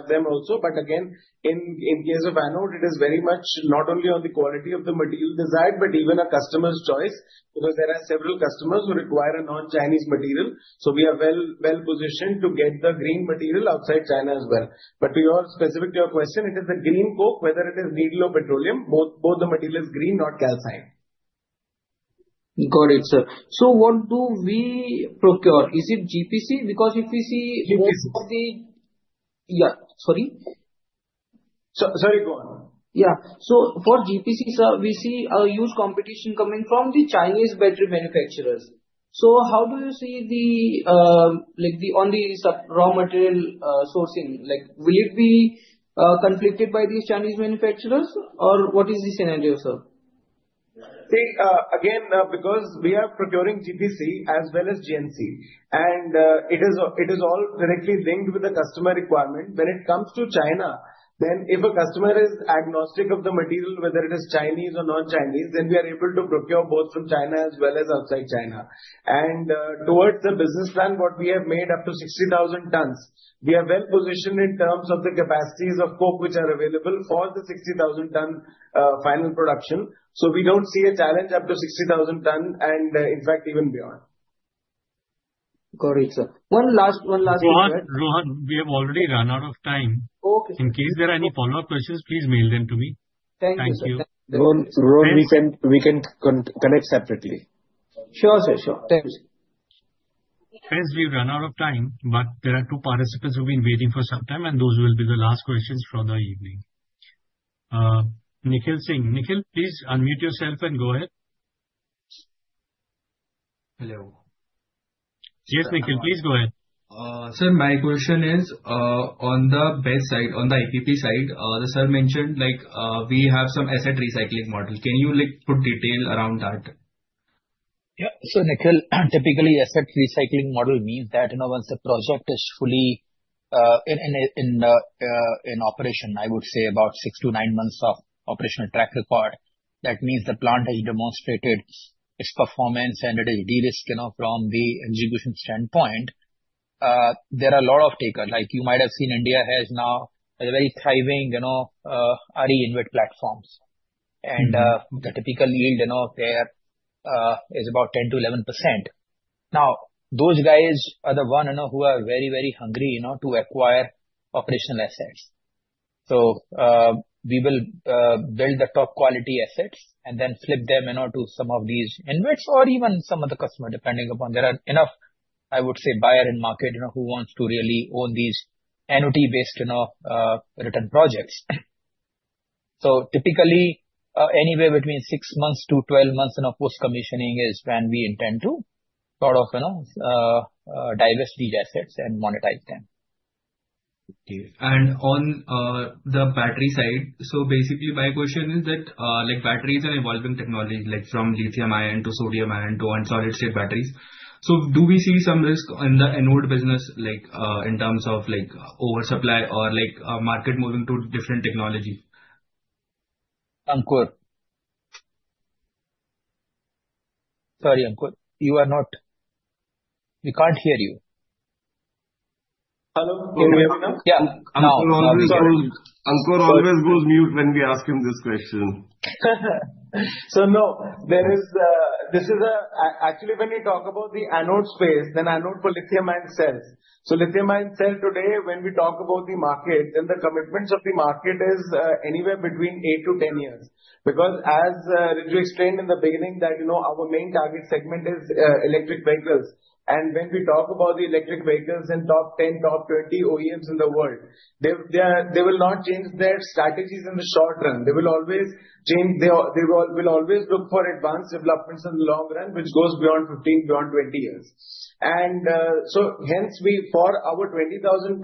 them also. But again, in case of anode, it is very much not only on the quality of the material desired, but even a customer's choice. Because there are several customers who require a non-Chinese material. So we are well-positioned to get the green material outside China as well. But specific to your question, it is the green coke, whether it is needle or petroleum, both the material is green, not calcined. Got it, sir. So what do we procure? Is it GPC? Because if we see for the So for GPC, sir, we see a huge competition coming from the Chinese battery manufacturers. So how do you see the on the raw material sourcing? Will it be conflicted by these Chinese manufacturers, or what is the scenario, sir? See, again, because we are procuring GPC as well as GNC. And it is all directly linked with the customer requirement. When it comes to China, then if a customer is agnostic of the material, whether it is Chinese or non-Chinese, then we are able to procure both from China as well as outside China. And towards the business plan, what we have made up to 60,000 tons. We are well-positioned in terms of the capacities of coke which are available for the 60,000-ton final production. So we don't see a challenge up to 60,000 tons and, in fact, even beyond. Got it, sir. One last question. Rohan, we have already run out of time. In case there are any follow-up questions, please mail them to me. Thank you. We can collect separately. Sure, sir. Sure. Thanks. Friends, we've run out of time, but there are two participants who've been waiting for some time, and those will be the last questions for the evening. Nikhil Singh. Nikhil, please unmute yourself and go ahead. Hello. Yes, Nikhil, please go ahead. Sir, my question is on the BESS side, on the IPP side. Sir mentioned we have some asset recycling model. Can you put detail around that? Yeah. So Nikhil, typically, asset recycling model means that once the project is fully in operation, I would say about six to nine months of operational track record, that means the plant has demonstrated its performance and it is de-risked from the execution standpoint. There are a lot of takers. You might have seen India has now very thriving RE InvIT platforms. The typical yield there is about 10%-11%. Now, those guys are the one who are very, very hungry to acquire operational assets. So we will build the top quality assets and then flip them to some of these InvITs or even some of the customer, depending upon there are enough, I would say, buyer in market who wants to really own these IRR-based return projects. So typically, anywhere between 6-12 months post-commissioning is when we intend to sort of divest these assets and monetize them. Okay. And on the battery side, so basically, my question is that batteries are evolving technology, like from lithium-ion to sodium-ion to solid-state batteries. So do we see some risk in the anode business in terms of oversupply or market moving to different technology? Ankur? Sorry, Ankur. You are not. We can't hear you. Hello? Can you hear me now? Yeah. Ankur always goes mute when we ask him this question. So no, this is actually when we talk about the anode space, then anode for lithium-ion cells. So lithium-ion cell today, when we talk about the market, then the commitments of the market is anywhere between 8-10 years. Because as you explained in the beginning, our main target segment is electric vehicles. And when we talk about the electric vehicles and top 10, top 20 OEMs in the world, they will not change their strategies in the short run. They will always look for advanced developments in the long run, which goes beyond 15, beyond 20 years. And so hence, for our 20,000-60,000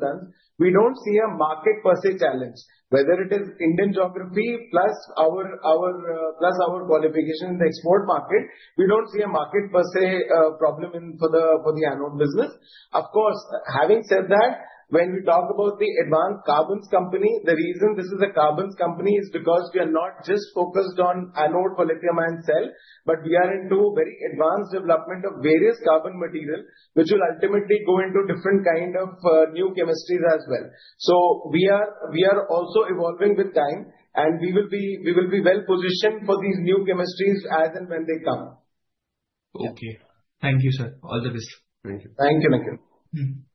tons, we don't see a market per se challenge. Whether it is Indian geography plus our qualification in the export market, we don't see a market per se problem for the anode business. Of course, having said that, when we talk about the Advanced Carbons Company, the reason this is a carbons company is because we are not just focused on anode for lithium-ion cell, but we are into very advanced development of various carbon material, which will ultimately go into different kinds of new chemistries as well. So we are also evolving with time, and we will be well-positioned for these new chemistries as and when they come. Okay. Thank you, sir. All the best. Thank you. Thank you, Nikhil.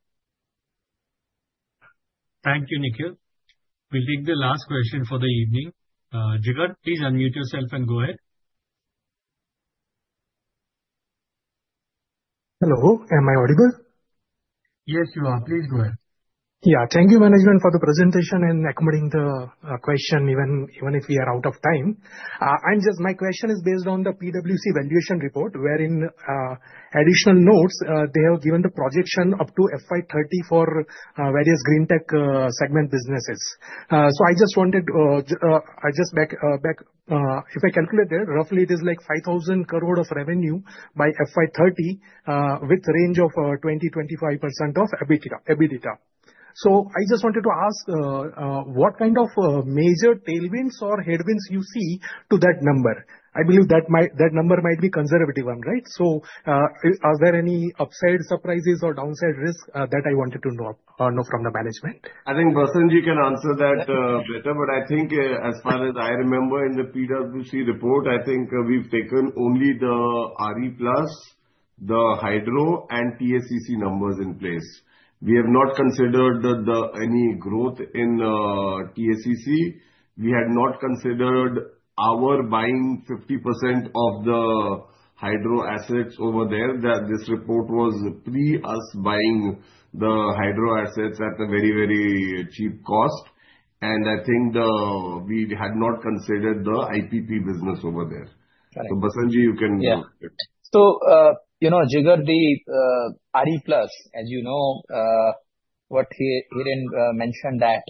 Thank you, Nikhil. We'll take the last question for the evening. Jatin, please unmute yourself and go ahead. Hello. Am I audible? Yes, you are. Please go ahead. Yeah. Thank you, management, for the presentation and accommodating the question, even if we are out of time. Just my question is based on the PwC valuation report, where in additional notes, they have given the projection up to FY 2030 for various green tech segment businesses. I just wanted to, if I calculate there, roughly, it is like 5,000 crore of revenue by FY 2030 with range of 20-25% of EBITDA. I just wanted to ask, what kind of major tailwinds or headwinds you see to that number? I believe that number might be conservative one, right? So are there any upside surprises or downside risk that I wanted to know from the management? I think Basant can answer that better. But I think as far as I remember in the PwC report, I think we've taken only the RePlus, the hydro, and TACC numbers in place. We have not considered any growth in TACC. We had not considered our buying 50% of the hydro assets over there. This report was pre us buying the hydro assets at a very, very cheap cost. And I think we had not considered the IPP business over there. So Basant, you can go ahead. So Jigar, the RePlus, as you know, what Hiren mentioned that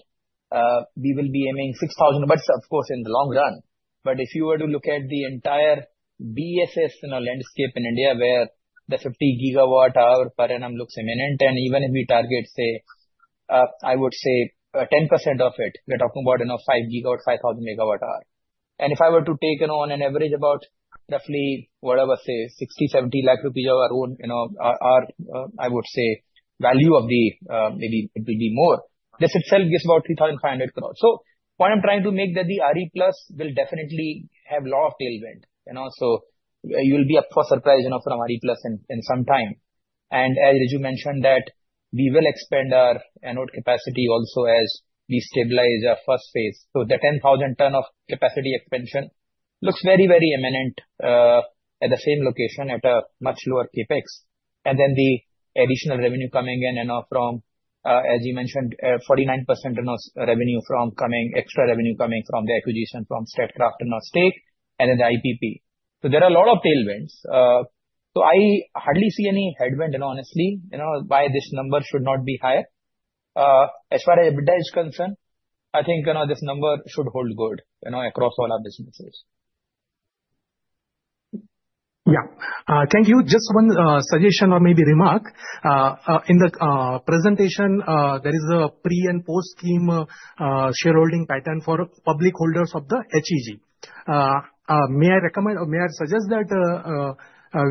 we will be aiming 6,000, but of course, in the long run. But if you were to look at the entire BESS landscape in India, where the 50 GWh per annum looks imminent, and even if we target, say, I would say 10% of it, we're talking about 5 GWh, 5,000 MWh. If I were to take on an average about roughly, whatever, say, 60-70 lakh rupees of our own, I would say value of the maybe it will be more. This itself gives about 3,500 crore. What I'm trying to say is that RePlus will definitely have a lot of tailwind. You'll be in for a surprise from RePlus in some time. As you mentioned, we will expand our anode capacity also as we stabilize our first phase. The 10,000-ton capacity expansion looks very, very imminent at the same location at a much lower CapEx. Then the additional revenue coming in from, as you mentioned, 49% revenue from extra revenue coming from the acquisition from Statkraft and our stake, and then the IPP. There are a lot of tailwinds. So I hardly see any headwind, honestly, why this number should not be higher. As far as EBITDA is concerned, I think this number should hold good across all our businesses. Yeah. Thank you. Just one suggestion or maybe remark. In the presentation, there is a pre and post-scheme shareholding pattern for public holders of the HEG. May I recommend or may I suggest that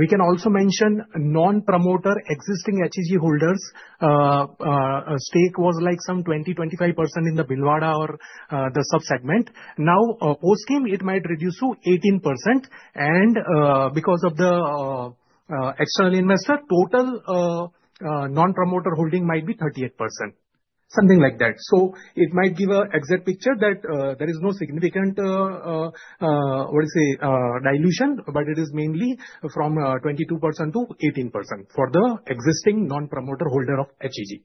we can also mention non-promoter existing HEG holders? Stake was like some 20-25% in the Bhilwara or the subsegment. Now, post-scheme, it might reduce to 18%. And because of the external investor, total non-promoter holding might be 38%, something like that. So it might give an exact picture that there is no significant, what do you say, dilution, but it is mainly from 22% to 18% for the existing non-promoter holder of HEG.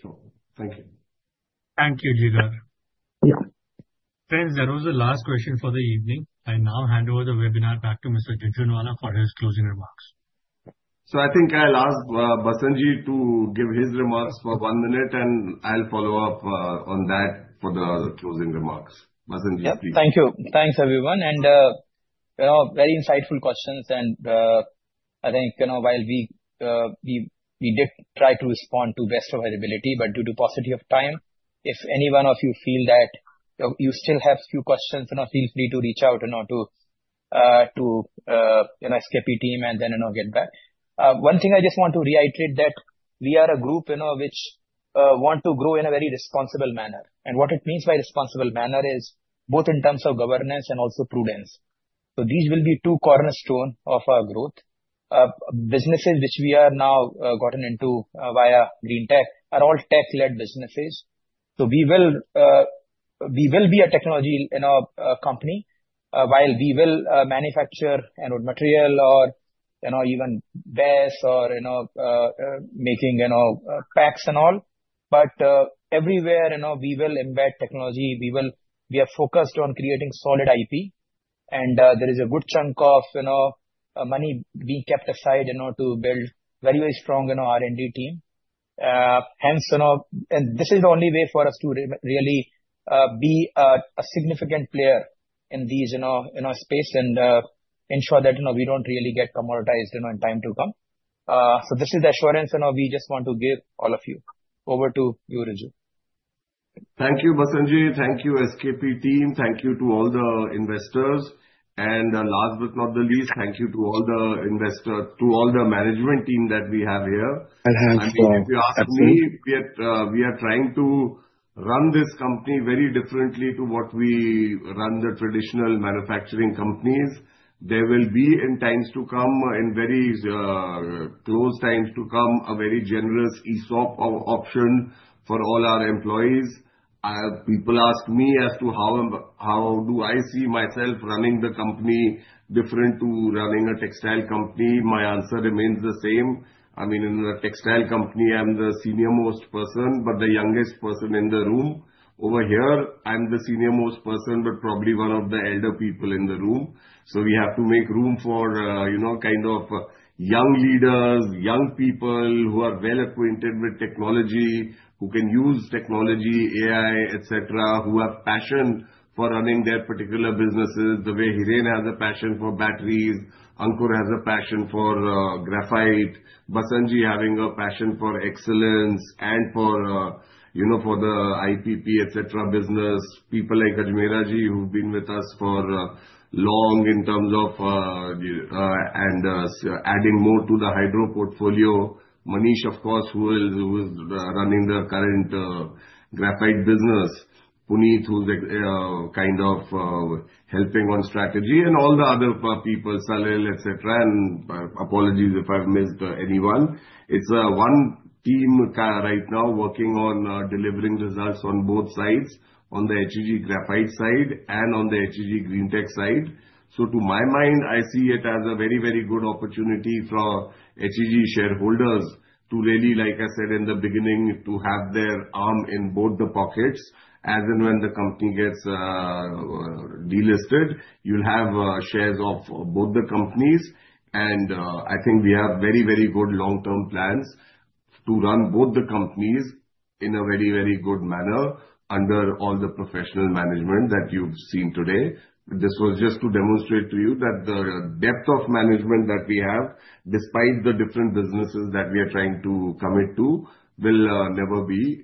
Sure. Thank you. Thank you, Jigar. Yeah. Friends, that was the last question for the evening. I now hand over the webinar back to Mr. Jhunjhunwala for his closing remarks. So I think I'll ask Basant Jain to give his remarks for one minute, and I'll follow up on that for the closing remarks. Basant Jain, please. Thank you. Thanks, everyone, and very insightful questions. I think while we did try to respond to the best of our ability, but due to paucity of time, if any one of you feel that you still have a few questions, feel free to reach out to SKP team and then get back. One thing I just want to reiterate that we are a group which wants to grow in a very responsible manner. And what it means by responsible manner is both in terms of governance and also prudence. So these will be two cornerstones of our growth. Businesses which we are now gotten into via green tech are all tech-led businesses. So we will be a technology company while we will manufacture material or even BESS or making packs and all. But everywhere we will embed technology. We are focused on creating solid IP. And there is a good chunk of money being kept aside to build a very, very strong R&D team. Hence, this is the only way for us to really be a significant player in this space and ensure that we don't really get commoditized in time to come. So this is the assurance we just want to give all of you. Over to you, Riju. Thank you, Basant Jain. Thank you, SKP team. Thank you to all the investors. And last but not the least, thank you to all the management team that we have here. And thank you for asking me. We are trying to run this company very differently to what we run the traditional manufacturing companies. There will be in times to come, in very close times to come, a very generous ESOP option for all our employees. People ask me as to how do I see myself running the company different from running a textile company. My answer remains the same. I mean, in a textile company, I'm the senior-most person, but the youngest person in the room. Over here, I'm the senior-most person, but probably one of the elder people in the room. So we have to make room for kind of young leaders, young people who are well acquainted with technology, who can use technology, AI, etc., who have passion for running their particular businesses, the way Hiren has a passion for batteries, Ankur has a passion for graphite, Basant Jain having a passion for excellence, and for the IPP, etc., business. People like Ajmera ji who've been with us for long in terms of and adding more to the hydro portfolio. Manish, of course, who is running the current graphite business. Puneet, who's kind of helping on strategy, and all the other people, Salil, etc. And apologies if I've missed anyone. It's one team right now working on delivering results on both sides, on the HEG graphite side and on the HEG Greentech side. So to my mind, I see it as a very, very good opportunity for HEG shareholders to really, like I said in the beginning, to have their arm in both the pockets. As in when the company gets delisted, you'll have shares of both the companies. And I think we have very, very good long-term plans to run both the companies in a very, very good manner under all the professional management that you've seen today. This was just to demonstrate to you that the depth of management that we have, despite the different businesses that we are trying to commit to, will never be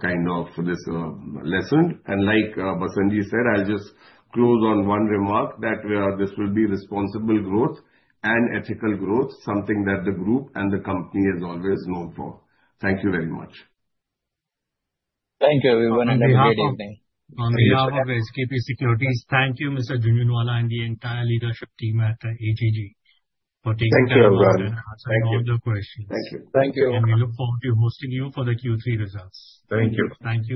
kind of lessened. And like Basant Jain said, I'll just close on one remark that this will be responsible growth and ethical growth, something that the group and the company is always known for. Thank you very much. Thank you, everyone, and have a great evening. On behalf of SKP Securities, thank you, Mr. Jhunjhunwala, and the entire leadership team at HEG for taking time to answer all the questions. Thank you. Thank you, and we look forward to hosting you for the Q3 results. Thank you. Thanks.